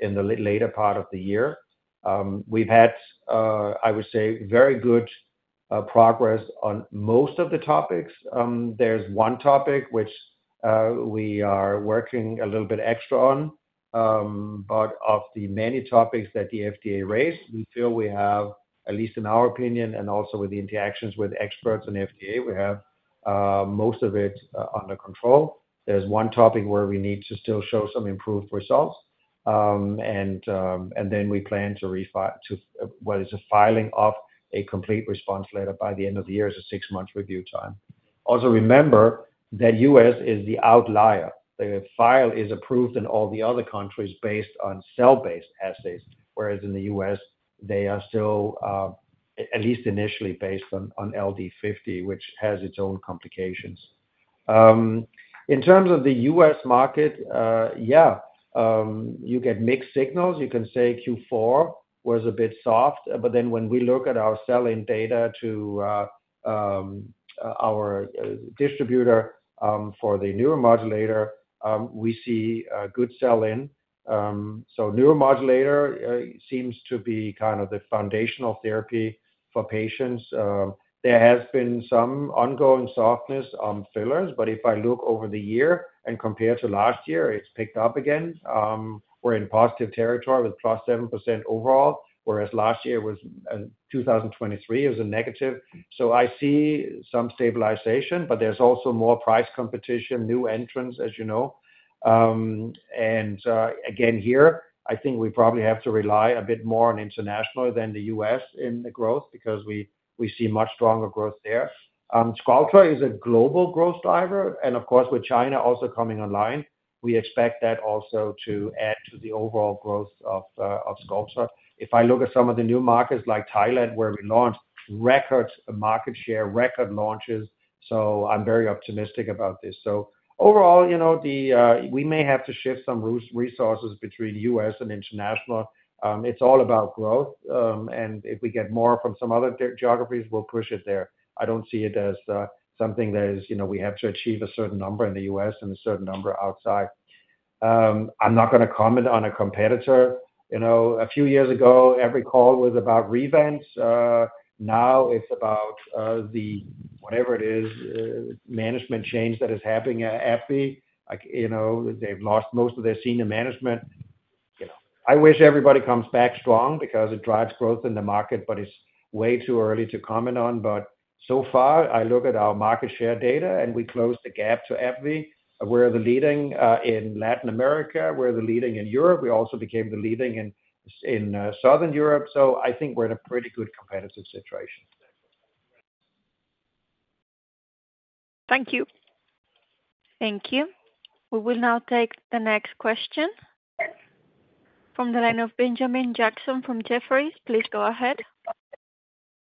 in the later part of the year. We've had, I would say, very good progress on most of the topics. There's one topic which we are working a little bit extra on. But of the many topics that the FDA raised, we feel we have, at least in our opinion, and also with the interactions with experts in the FDA, we have most of it under control. There's one topic where we need to still show some improved results. And then we plan to refile, well, it's a filing of a complete response letter by the end of the year. It's a six-month review time. Also, remember that U.S. is the outlier. The file is approved in all the other countries based on cell-based assays, whereas in the U.S., they are still, at least initially, based on LD50, which has its own complications. In terms of the U.S. market, yeah, you get mixed signals. You can say Q4 was a bit soft. But then when we look at our sell-in data to our distributor for the neuromodulator, we see good sell-in. So neuromodulator seems to be kind of the foundational therapy for patients. There has been some ongoing softness on fillers. But if I look over the year and compare to last year, it's picked up again. We're in positive territory with plus 7% overall, whereas last year, 2023, it was a negative. So I see some stabilization, but there's also more price competition, new entrants, as you know. And again, here, I think we probably have to rely a bit more on international than the U.S. in the growth because we see much stronger growth there. Sculptra is a global growth driver. And of course, with China also coming online, we expect that also to add to the overall growth of Sculptra. If I look at some of the new markets like Thailand, where we launched record market share, record launches. So I'm very optimistic about this. So overall, we may have to shift some resources between U.S. and international. It's all about growth. And if we get more from some other geographies, we'll push it there. I don't see it as something that we have to achieve a certain number in the U.S. and a certain number outside. I'm not going to comment on a competitor. A few years ago, every call was about Revance. Now it's about the, whatever it is, management change that is happening at AbbVie. They've lost most of their senior management. I wish everybody comes back strong because it drives growth in the market, but it's way too early to comment on. But so far, I look at our market share data, and we closed the gap to AbbVie. We're the leading in Latin America. We're the leading in Europe. We also became the leading in Southern Europe. So I think we're in a pretty good competitive situation. Thank you. Thank you. We will now take the next question from the line of Benjamin Jackson from Jefferies. Please go ahead.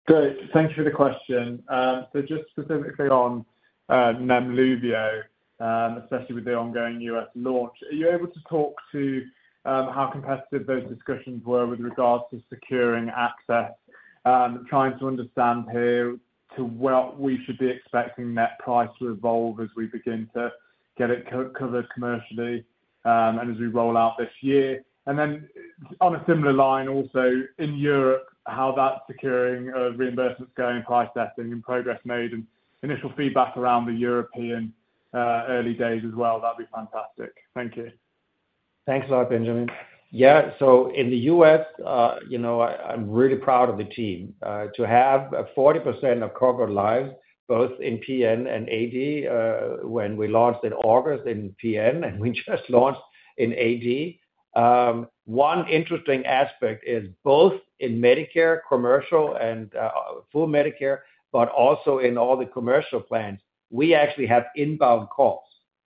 Great. Thanks for the question. So just specifically on Nemluvio, especially with the ongoing U.S. launch, are you able to talk to how competitive those discussions were with regards to securing access, trying to understand here to what we should be expecting net price to evolve as we begin to get it covered commercially and as we roll out this year. Then on a similar line also in Europe, how that securing of reimbursements going, price testing, and progress made, and initial feedback around the European early days as well. That'd be fantastic. Thank you. Thanks a lot, Benjamin. Yeah. So in the U.S., I'm really proud of the team. To have 40% of covered lives, both in PN and AD, when we launched in August in PN, and we just launched in AD. One interesting aspect is both in Medicare, commercial, and Medicaid, but also in all the commercial plans, we actually have inbound calls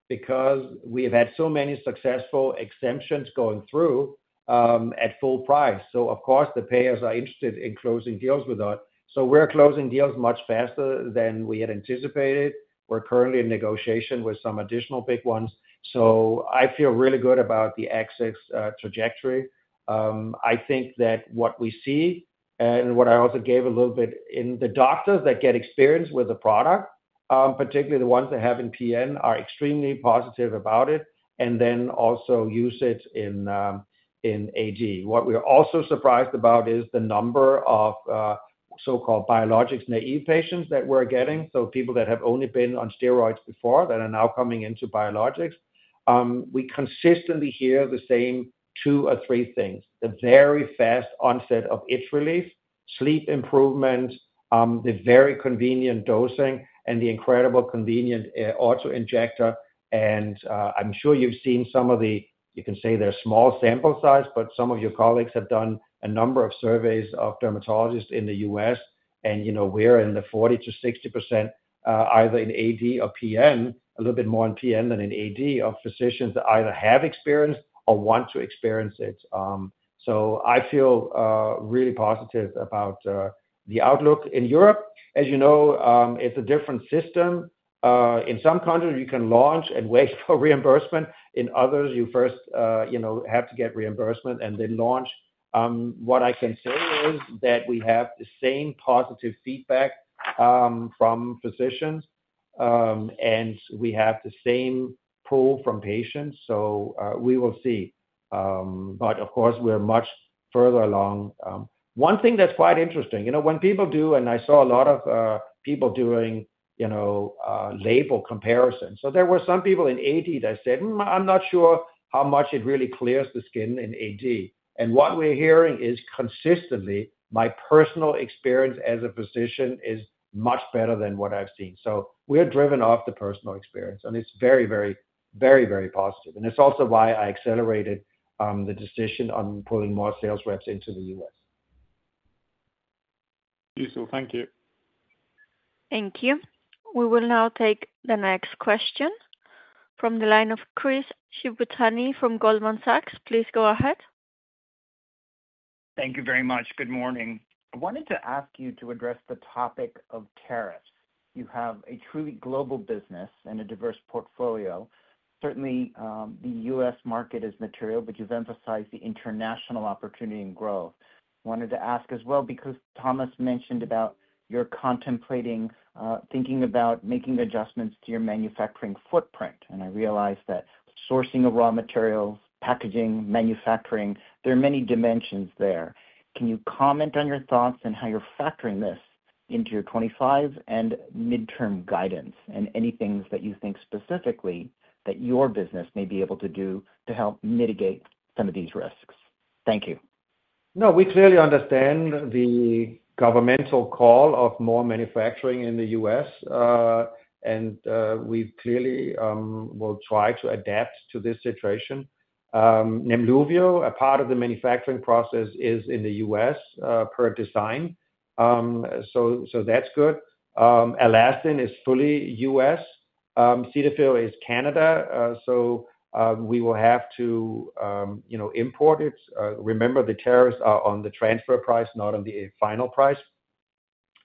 because we have had so many successful exemptions going through at full price. So of course, the payers are interested in closing deals with us. So we're closing deals much faster than we had anticipated. We're currently in negotiation with some additional big ones. So I feel really good about the access trajectory. I think that what we see, and what I also see a little bit in the doctors that get experience with the product, particularly the ones that have in PN, are extremely positive about it, and then also use it in AD. What we're also surprised about is the number of so-called biologics-naive patients that we're getting. So people that have only been on steroids before that are now coming into biologics. We consistently hear the same two or three things: the very fast onset of itch relief, sleep improvement, the very convenient dosing, and the incredibly convenient autoinjector. And I'm sure you've seen some of the, you can say they're small sample size, but some of your colleagues have done a number of surveys of dermatologists in the US. We're in the 40%-60%, either in AD or PN, a little bit more in PN than in AD, of physicians that either have experienced or want to experience it. I feel really positive about the outlook in Europe. As you know, it's a different system. In some countries, you can launch and wait for reimbursement. In others, you first have to get reimbursement and then launch. What I can say is that we have the same positive feedback from physicians, and we have the same pool from patients. We will see. Of course, we're much further along. One thing that's quite interesting, when people do, and I saw a lot of people doing label comparisons, so there were some people in AD that said, "I'm not sure how much it really clears the skin in AD." And what we're hearing is consistently, my personal experience as a physician is much better than what I've seen. So we're driven off the personal experience, and it's very, very, very, very positive. And it's also why I accelerated the decision on pulling more sales reps into the U.S. Beautiful. Thank you. Thank you. We will now take the next question from the line of Chris Shibutani from Goldman Sachs. Please go ahead. Thank you very much. Good morning. I wanted to ask you to address the topic of tariffs. You have a truly global business and a diverse portfolio. Certainly, the U.S. market is material, but you've emphasized the international opportunity and growth. I wanted to ask as well because Thomas mentioned about your contemplating thinking about making adjustments to your manufacturing footprint. And I realized that sourcing of raw materials, packaging, manufacturing, there are many dimensions there. Can you comment on your thoughts and how you're factoring this into your 25 and midterm guidance and any things that you think specifically that your business may be able to do to help mitigate some of these risks? Thank you. No, we clearly understand the governmental call of more manufacturing in the U.S. And we clearly will try to adapt to this situation. Nemluvio, a part of the manufacturing process, is in the U.S. per design. So that's good. Alastin is fully U.S. Cetaphil is Canada. So we will have to import it. Remember, the tariffs are on the transfer price, not on the final price.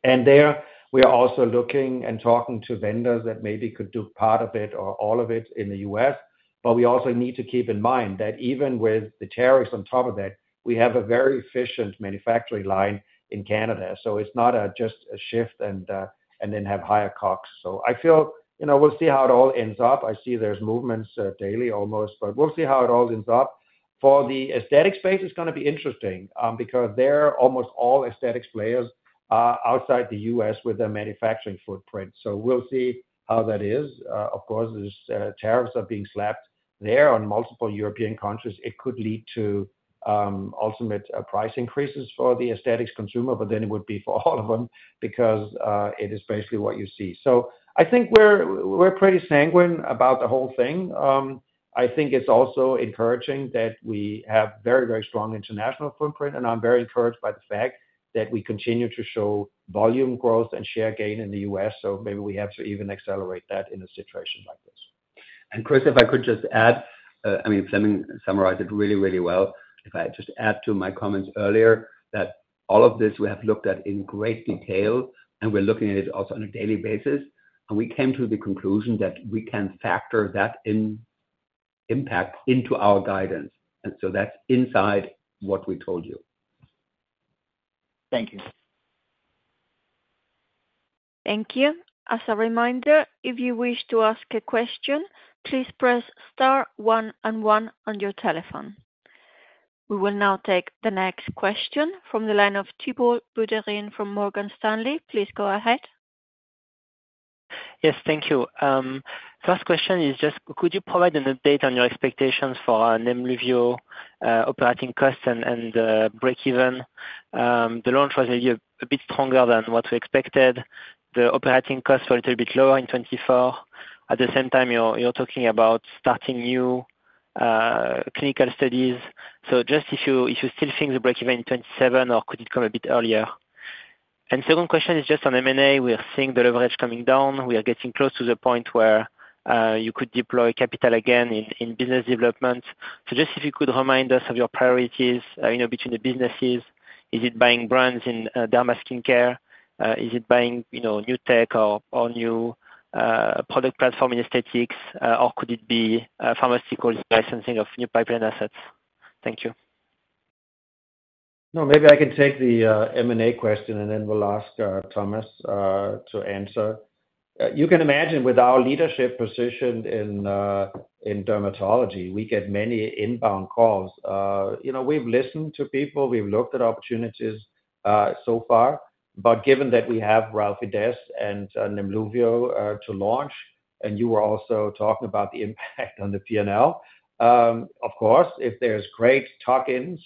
And there, we are also looking and talking to vendors that maybe could do part of it or all of it in the U.S. But we also need to keep in mind that even with the tariffs on top of that, we have a very efficient manufacturing line in Canada. So it's not just a shift and then have higher costs. So I feel we'll see how it all ends up. I see there's movements daily almost, but we'll see how it all ends up. For the aesthetics space, it's going to be interesting because they're almost all aesthetics players outside the U.S. with their manufacturing footprint. So we'll see how that is. Of course, as tariffs are being slapped there on multiple European countries, it could lead to ultimate price increases for the aesthetics consumer, but then it would be for all of them because it is basically what you see. So I think we're pretty sanguine about the whole thing. I think it's also encouraging that we have very, very strong international footprint, and I'm very encouraged by the fact that we continue to show volume growth and share gain in the U.S. So maybe we have to even accelerate that in a situation like this. And Chris, if I could just add, I mean, if something summarized it really, really well, if I just add to my comments earlier that all of this we have looked at in great detail, and we're looking at it also on a daily basis. And we came to the conclusion that we can factor that impact into our guidance. And so that's inside what we told you. Thank you. Thank you. As a reminder, if you wish to ask a question, please press star one and one on your telephone. We will now take the next question from the line of Thibault Boutherin from Morgan Stanley. Please go ahead. Yes, thank you. First question is just, could you provide an update on your expectations for Nemluvio operating costs and breakeven? The launch was maybe a bit stronger than what we expected. The operating costs were a little bit lower in 2024. At the same time, you're talking about starting new clinical studies. So just if you still think the breakeven in 2027, or could it come a bit earlier? And second question is just on M&A. We're seeing the leverage coming down. We are getting close to the point where you could deploy capital again in business development. So just if you could remind us of your priorities between the businesses. Is it buying brands in derma skincare? Is it buying new tech or new product platform in aesthetics? Or could it be pharmaceuticals licensing of new pipeline assets? Thank you. No, maybe I can take the M&A question, and then we'll ask Thomas to answer. You can imagine with our leadership position in dermatology, we get many inbound calls. We've listened to people. We've looked at opportunities so far. But given that we have Relfydess and Nemluvio to launch, and you were also talking about the impact on the P&L, of course, if there's great tuck-ins,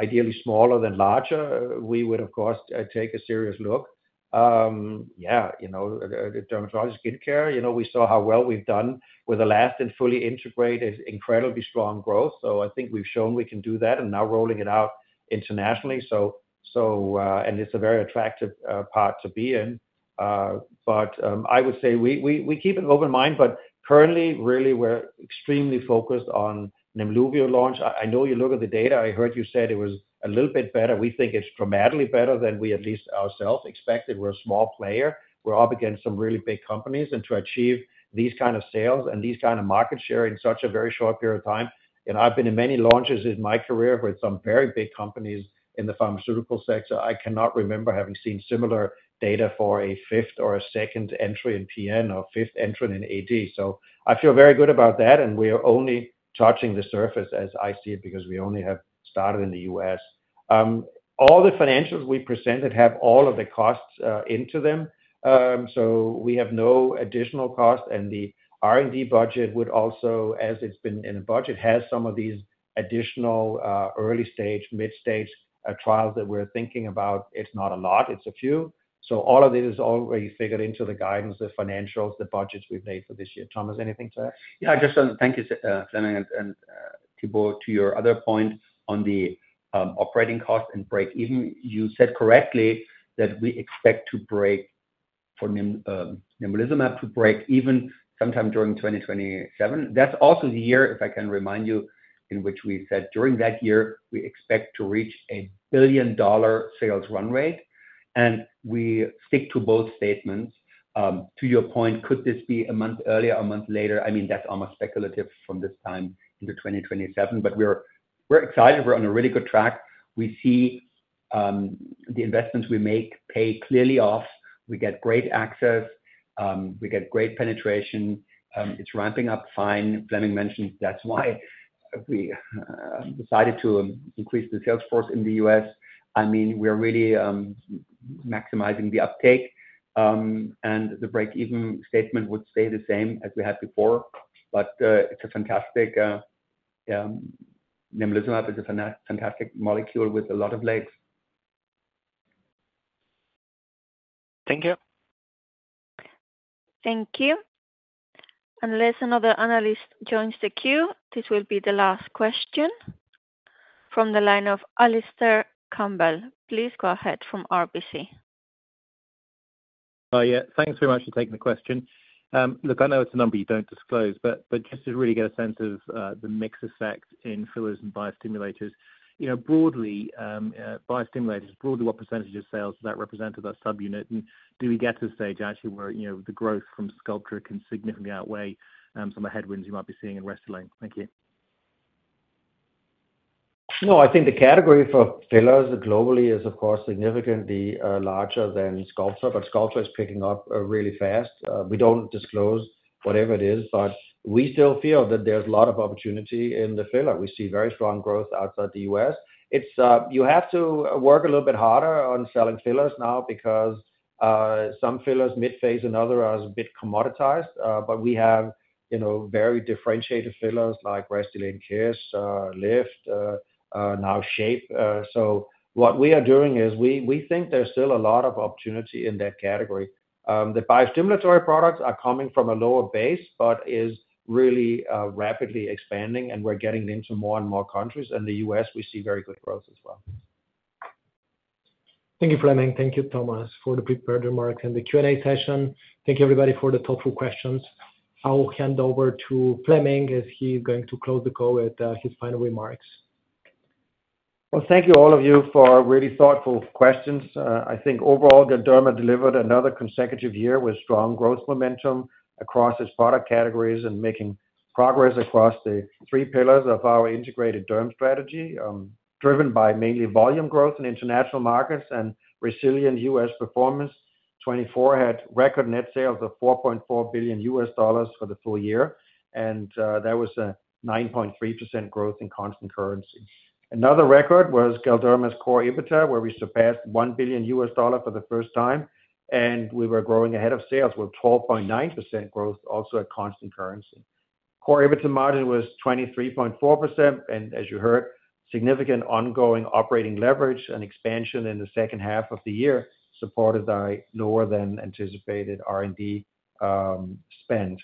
ideally smaller than larger, we would, of course, take a serious look. Yeah. Dermatology skincare, we saw how well we've done with Alastin fully integrated, incredibly strong growth. So I think we've shown we can do that and now rolling it out internationally. And it's a very attractive part to be in. But I would say we keep an open mind, but currently, really, we're extremely focused on Nemluvio launch. I know you look at the data. I heard you said it was a little bit better. We think it's dramatically better than we at least ourselves expected. We're a small player. We're up against some really big companies. And to achieve these kinds of sales and these kinds of market share in such a very short period of time, and I've been in many launches in my career with some very big companies in the pharmaceutical sector, I cannot remember having seen similar data for a fifth or a second entry in PN or fifth entry in AD. So I feel very good about that. And we're only touching the surface, as I see it, because we only have started in the US. All the financials we presented have all of the costs into them. So we have no additional cost. And the R&D budget would also, as it's been in the budget, have some of these additional early stage, mid stage trials that we're thinking about. It's not a lot. It's a few. So all of it is already figured into the guidance, the financials, the budgets we've made for this year. Thomas, anything to add? Yeah. Just thank you, Flemming and Thibault, to your other point on the operating cost and breakeven. Even you said correctly that we expect to break for Nemluvio to break even sometime during 2027. That's also the year, if I can remind you, in which we said during that year, we expect to reach a billion-dollar sales run rate. And we stick to both statements. To your point, could this be a month earlier, a month later? I mean, that's almost speculative from this time into 2027. But we're excited. We're on a really good track. We see the investments we make pay clearly off. We get great access. We get great penetration. It's ramping up fine. Flemming mentioned that's why we decided to increase the sales force in the U.S. I mean, we're really maximizing the uptake. And the breakeven statement would stay the same as we had before. But it's a fantastic Nemluvio. It's a fantastic molecule with a lot of legs. Thank you. Thank you. Unless another analyst joins the queue, this will be the last question from the line of Alistair Campbell. Please go ahead from RBC. Yeah. Thanks very much for taking the question. Look, I know it's a number you don't disclose, but just to really get a sense of the mixed effect in fillers and biostimulators. Broadly, biostimulators, broadly, what percentage of sales does that represent to that subunit? And do we get to a stage actually where the growth from Sculptra can significantly outweigh some of the headwinds you might be seeing in Restylane? Thank you. No, I think the category for fillers globally is, of course, significantly larger than Sculptra, but Sculptra is picking up really fast. We don't disclose whatever it is, but we still feel that there's a lot of opportunity in the filler. We see very strong growth outside the U.S. You have to work a little bit harder on selling fillers now because some fillers mid phase and other are a bit commoditized. But we have very differentiated fillers like Restylane Kysse, Lyft, now SHAYPE. So what we are doing is we think there's still a lot of opportunity in that category. The biostimulatory products are coming from a lower base, but is really rapidly expanding, and we're getting into more and more countries. And the U.S., we see very good growth as well. Thank you, Flemming. Thank you, Thomas, for the prepared remarks and the Q&A session. Thank you, everybody, for the thoughtful questions. I'll hand over to Flemming as he's going to close the call with his final remarks. Thank you, all of you, for really thoughtful questions. I think overall, Galderma delivered another consecutive year with strong growth momentum across its product categories and making progress across the three pillars of our integrated dermatology strategy, driven by mainly volume growth in international markets and resilient U.S. performance. 2024 had record net sales of $4.4 billion for the full year, and that was a 9.3% growth in constant currency. Another record was Galderma's Core EBITDA, where we surpassed $1 billion for the first time, and we were growing ahead of sales with 12.9% growth also at constant currency. Core EBITDA margin was 23.4%. And as you heard, significant ongoing operating leverage and expansion in the second half of the year, supported by lower than anticipated R&D spend.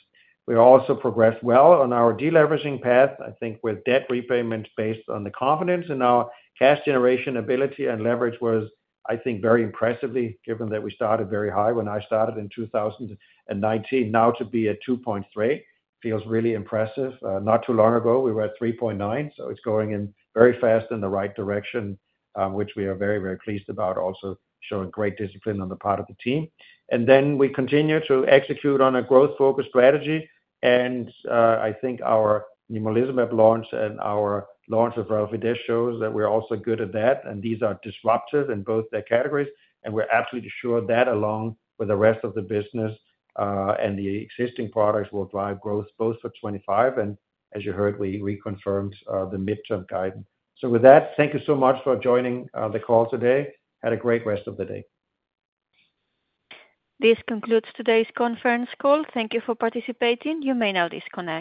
We also progressed well on our deleveraging path, I think, with debt repayment based on the confidence in our cash generation ability and leverage was, I think, very impressively given that we started very high when I started in 2019. Now to be at 2.3 feels really impressive. Not too long ago, we were at 3.9. So it's going in very fast in the right direction, which we are very, very pleased about, also showing great discipline on the part of the team. And then we continue to execute on a growth-focused strategy. And I think our Nemluvio launch and our launch of Relfydess shows that we're also good at that. And these are disruptive in both their categories. We're absolutely sure that along with the rest of the business and the existing products will drive growth both for 2025. As you heard, we reconfirmed the midterm guidance. With that, thank you so much for joining the call today. Have a great rest of the day. This concludes today's conference call. Thank you for participating. You may now disconnect.